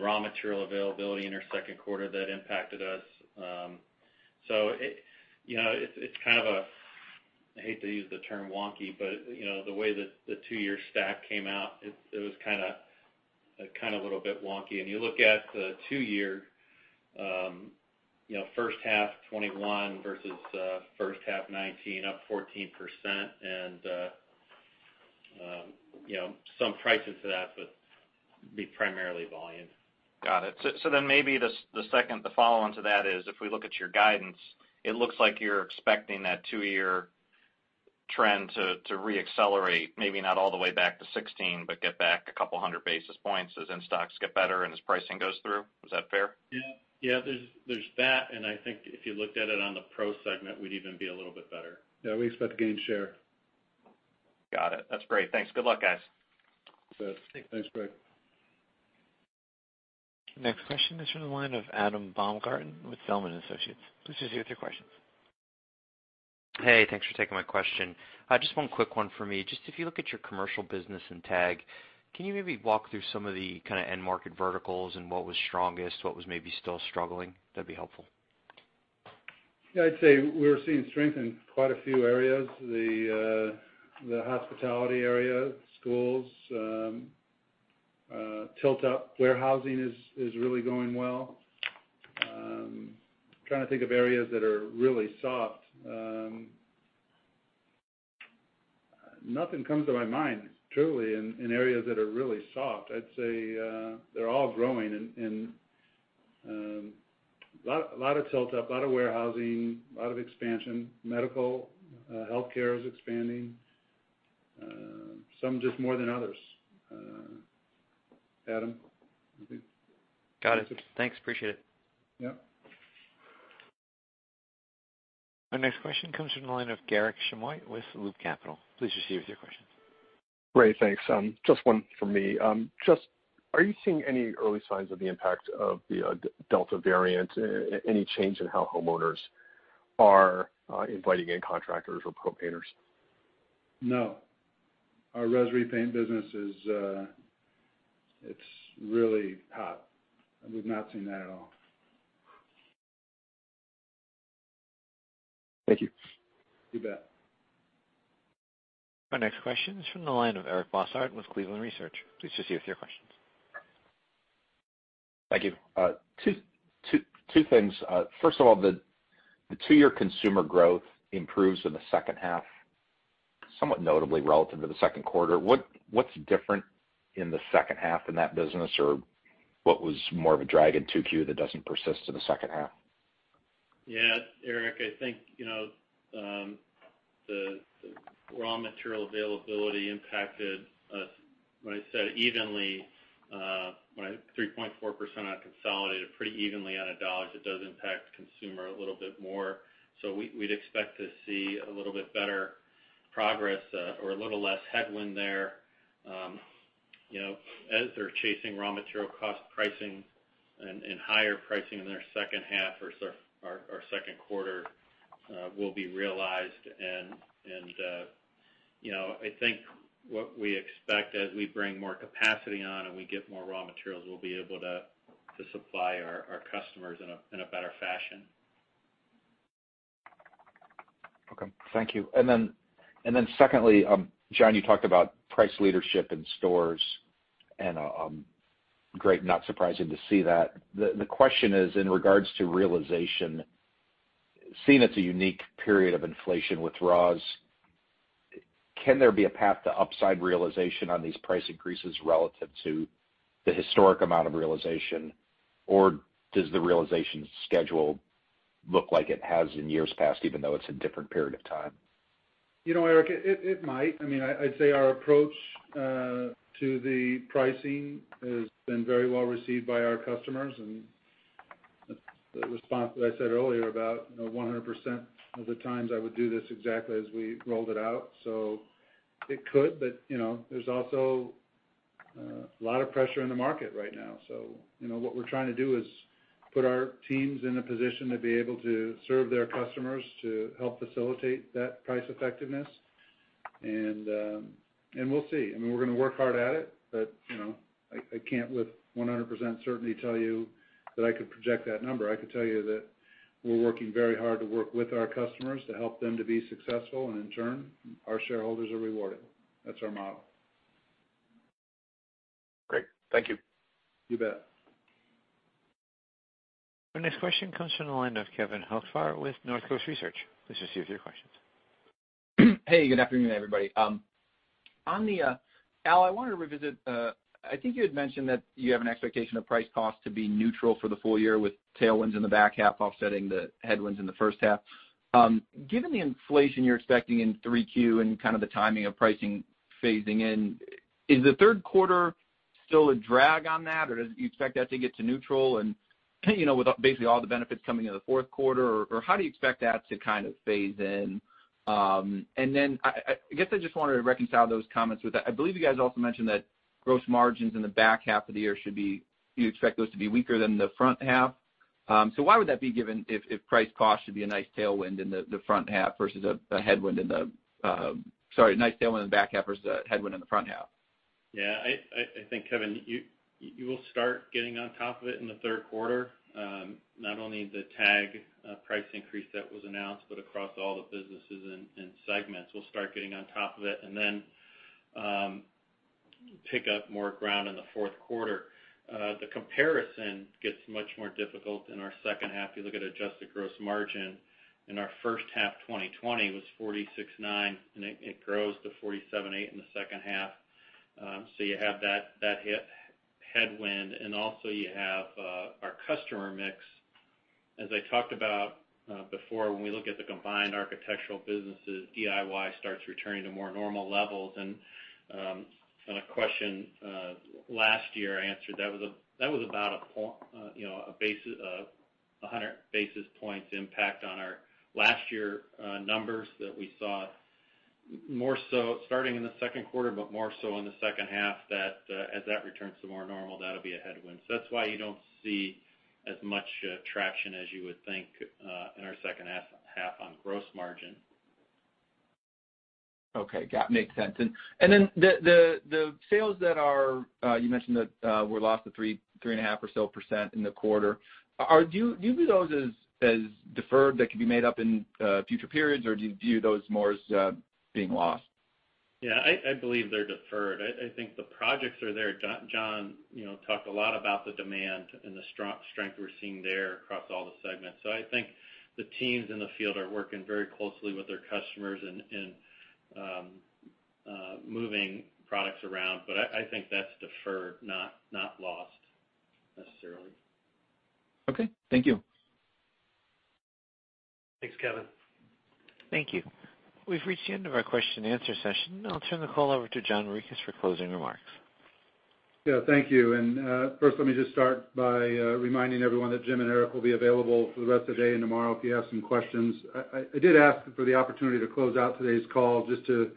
raw material availability in our second quarter that impacted us. It's kind of, I hate to use the term wonky, but the way that the two-year stack came out, it was kind of a little bit wonky. You look at the two-year, H1 2021 versus H1 2019, up 14%. Some prices to that, but be primarily volume. Got it. Maybe the follow-on to that is if we look at your guidance, it looks like you're expecting that two-year trend to re-accelerate, maybe not all the way back to 16, but get back a couple 100 basis points as in-stocks get better and as pricing goes through. Was that fair? Yeah. There's that, and I think if you looked at it on the pro segment, we'd even be a little bit better. Yeah, we expect to gain share. Got it. That's great. Thanks. Good luck, guys. You bet. Thanks, Greg. Next question is from the line of Adam Baumgarten with Zelman & Associates. Please proceed with your questions. Hey, thanks for taking my question. Just one quick one for me. Just if you look at your commercial business in TAG, can you maybe walk through some of the kind of end market verticals and what was strongest, what was maybe still struggling? That'd be helpful. Yeah, I'd say we're seeing strength in quite a few areas. The hospitality area, schools, tilt-up warehousing is really going well. I'm trying to think of areas that are really soft. Nothing comes to my mind, truly, in areas that are really soft. I'd say they're all growing in a lot of tilt-up, a lot of warehousing, a lot of expansion, medical, healthcare is expanding. Some just more than others. Adam, you good? Got it. Thanks, appreciate it. Yep. Our next question comes from the line of Garik Shmois with Loop Capital. Please proceed with your questions. Great. Thanks. Just one from me. Are you seeing any early signs of the impact of the Delta variant? Any change in how homeowners are inviting in contractors or pro painters? No. Our res repaint business is really hot, and we've not seen that at all. Thank you. You bet. Our next question is from the line of Eric Bosshard with Cleveland Research Company. Please proceed with your questions. Thank you. Two things. First of all, the two-year consumer growth improves in the second half, somewhat notably relative to the second quarter. What's different in the second half in that business? What was more of a drag in 2Q that doesn't persist to the second half? Yeah. Eric, I think, the raw material availability impacted us, when I said evenly, my 3.4% on consolidated pretty evenly on a dollar. It does impact consumer a little bit more. We'd expect to see a little bit better progress, or a little less headwind there. As they're chasing raw material cost pricing and higher pricing in their second half or so, our second quarter will be realized. I think what we expect as we bring more capacity on and we get more raw materials, we'll be able to supply our customers in a better fashion. Okay. Thank you. Then secondly, John, you talked about price leadership in stores, and great, not surprising to see that. The question is in regards to realization, seeing it's a unique period of inflation with raws, can there be a path to upside realization on these price increases relative to the historic amount of realization? Does the realization schedule look like it has in years past, even though it's a different period of time? Eric, it might. I'd say our approach to the pricing has been very well received by our customers, and the response that I said earlier about 100% of the times I would do this exactly as we rolled it out. It could, but there's also a lot of pressure in the market right now. What we're trying to do is put our teams in a position to be able to serve their customers to help facilitate that price effectiveness. We'll see. We're going to work hard at it, but I can't with 100% certainty tell you that I could project that number. I could tell you that we're working very hard to work with our customers to help them to be successful, and in turn, our shareholders are rewarded. That's our model. Great. Thank you. You bet. Our next question comes from the line of Kevin Hocevar with Northcoast Research. Please proceed with your questions. Hey, good afternoon, everybody. Al, I wanted to revisit, I think you had mentioned that you have an expectation of price cost to be neutral for the full year with tailwinds in the back half offsetting the headwinds in the first half. Given the inflation you're expecting in 3Q and kind of the timing of pricing phasing in, is the third quarter still a drag on that? Or do you expect that to get to neutral and with basically all the benefits coming in the fourth quarter, or how do you expect that to kind of phase in? I guess I just wanted to reconcile those comments with that. I believe you guys also mentioned that gross margins in the back half of the year. Do you expect those to be weaker than the front half? Why would that be given if price cost should be a nice tailwind in the front half versus a headwind? Sorry, nice tailwind in the back half versus a headwind in the front half. I think, Kevin, you will start getting on top of it in the third quarter. Not only the TAG price increase that was announced, but across all the businesses and segments, we'll start getting on top of it and then pick up more ground in the fourth quarter. The comparison gets much more difficult in our second half. You look at adjusted gross margin in our first half 2020 was 46.9%, and it grows to 47.8% in the second half. You have that headwind, and also you have our customer mix. As I talked about before, when we look at the combined architectural businesses, DIY starts returning to more normal levels. A question last year I answered, that was about 100 basis points impact on our last year numbers that we saw more so starting in the second quarter, but more so in the second half that as that returns to more normal, that'll be a headwind. That's why you don't see as much traction as you would think in our second half on gross margin. Okay. Got it. Makes sense. The sales that you mentioned that were lost to 3.5% in the quarter. Do you view those as deferred that could be made up in future periods, or do you view those more as being lost? Yeah, I believe they're deferred. I think the projects are there. John talked a lot about the demand and the strength we're seeing there across all the segments. I think the teams in the field are working very closely with their customers in moving products around, but I think that's deferred, not lost necessarily. Okay, thank you. Thanks, Kevin. Thank you. We've reached the end of our question and answer session. I'll turn the call over to John Morikis for closing remarks. Yeah. Thank you. First, let me just start by reminding everyone that Jim and Eric will be available for the rest of the day and tomorrow if you have some questions. I did ask for the opportunity to close out today's call just to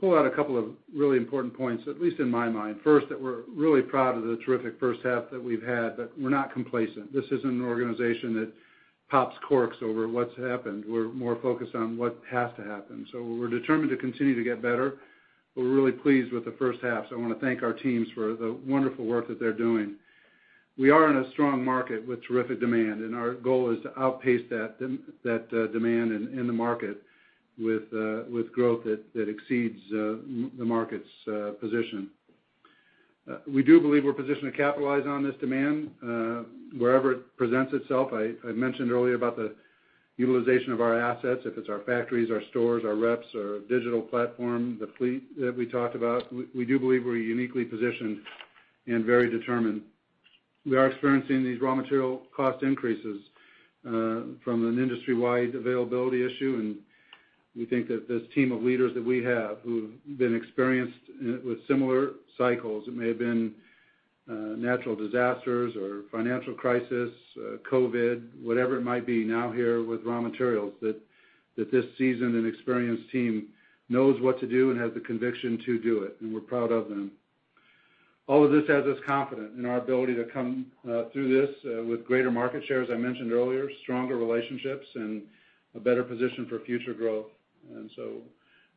pull out a couple of really important points, at least in my mind. First, that we're really proud of the terrific first half that we've had, but we're not complacent. This isn't an organization that pops corks over what's happened. We're more focused on what has to happen. We're determined to continue to get better, but we're really pleased with the first half. I want to thank our teams for the wonderful work that they're doing. We are in a strong market with terrific demand, and our goal is to outpace that demand in the market with growth that exceeds the market's position. We do believe we're positioned to capitalize on this demand wherever it presents itself. I mentioned earlier about the utilization of our assets, if it's our factories, our stores, our reps, our digital platform, the fleet that we talked about. We do believe we're uniquely positioned and very determined. We are experiencing these raw material cost increases from an industry-wide availability issue, and we think that this team of leaders that we have who've been experienced with similar cycles, it may have been natural disasters or financial crisis, COVID, whatever it might be now here with raw materials, that this seasoned and experienced team knows what to do and has the conviction to do it, and we're proud of them. All of this has us confident in our ability to come through this with greater market share, as I mentioned earlier, stronger relationships and a better position for future growth.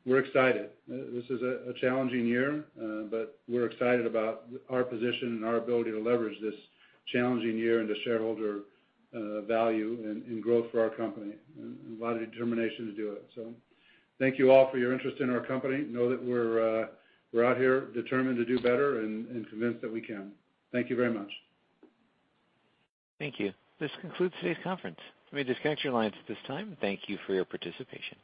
We're excited. This is a challenging year, but we're excited about our position and our ability to leverage this challenging year into shareholder value and growth for our company, and a lot of determination to do it. Thank you all for your interest in our company. Know that we're out here determined to do better and convinced that we can. Thank you very much. Thank you. This concludes today's conference. You may disconnect your lines at this time. Thank you for your participation.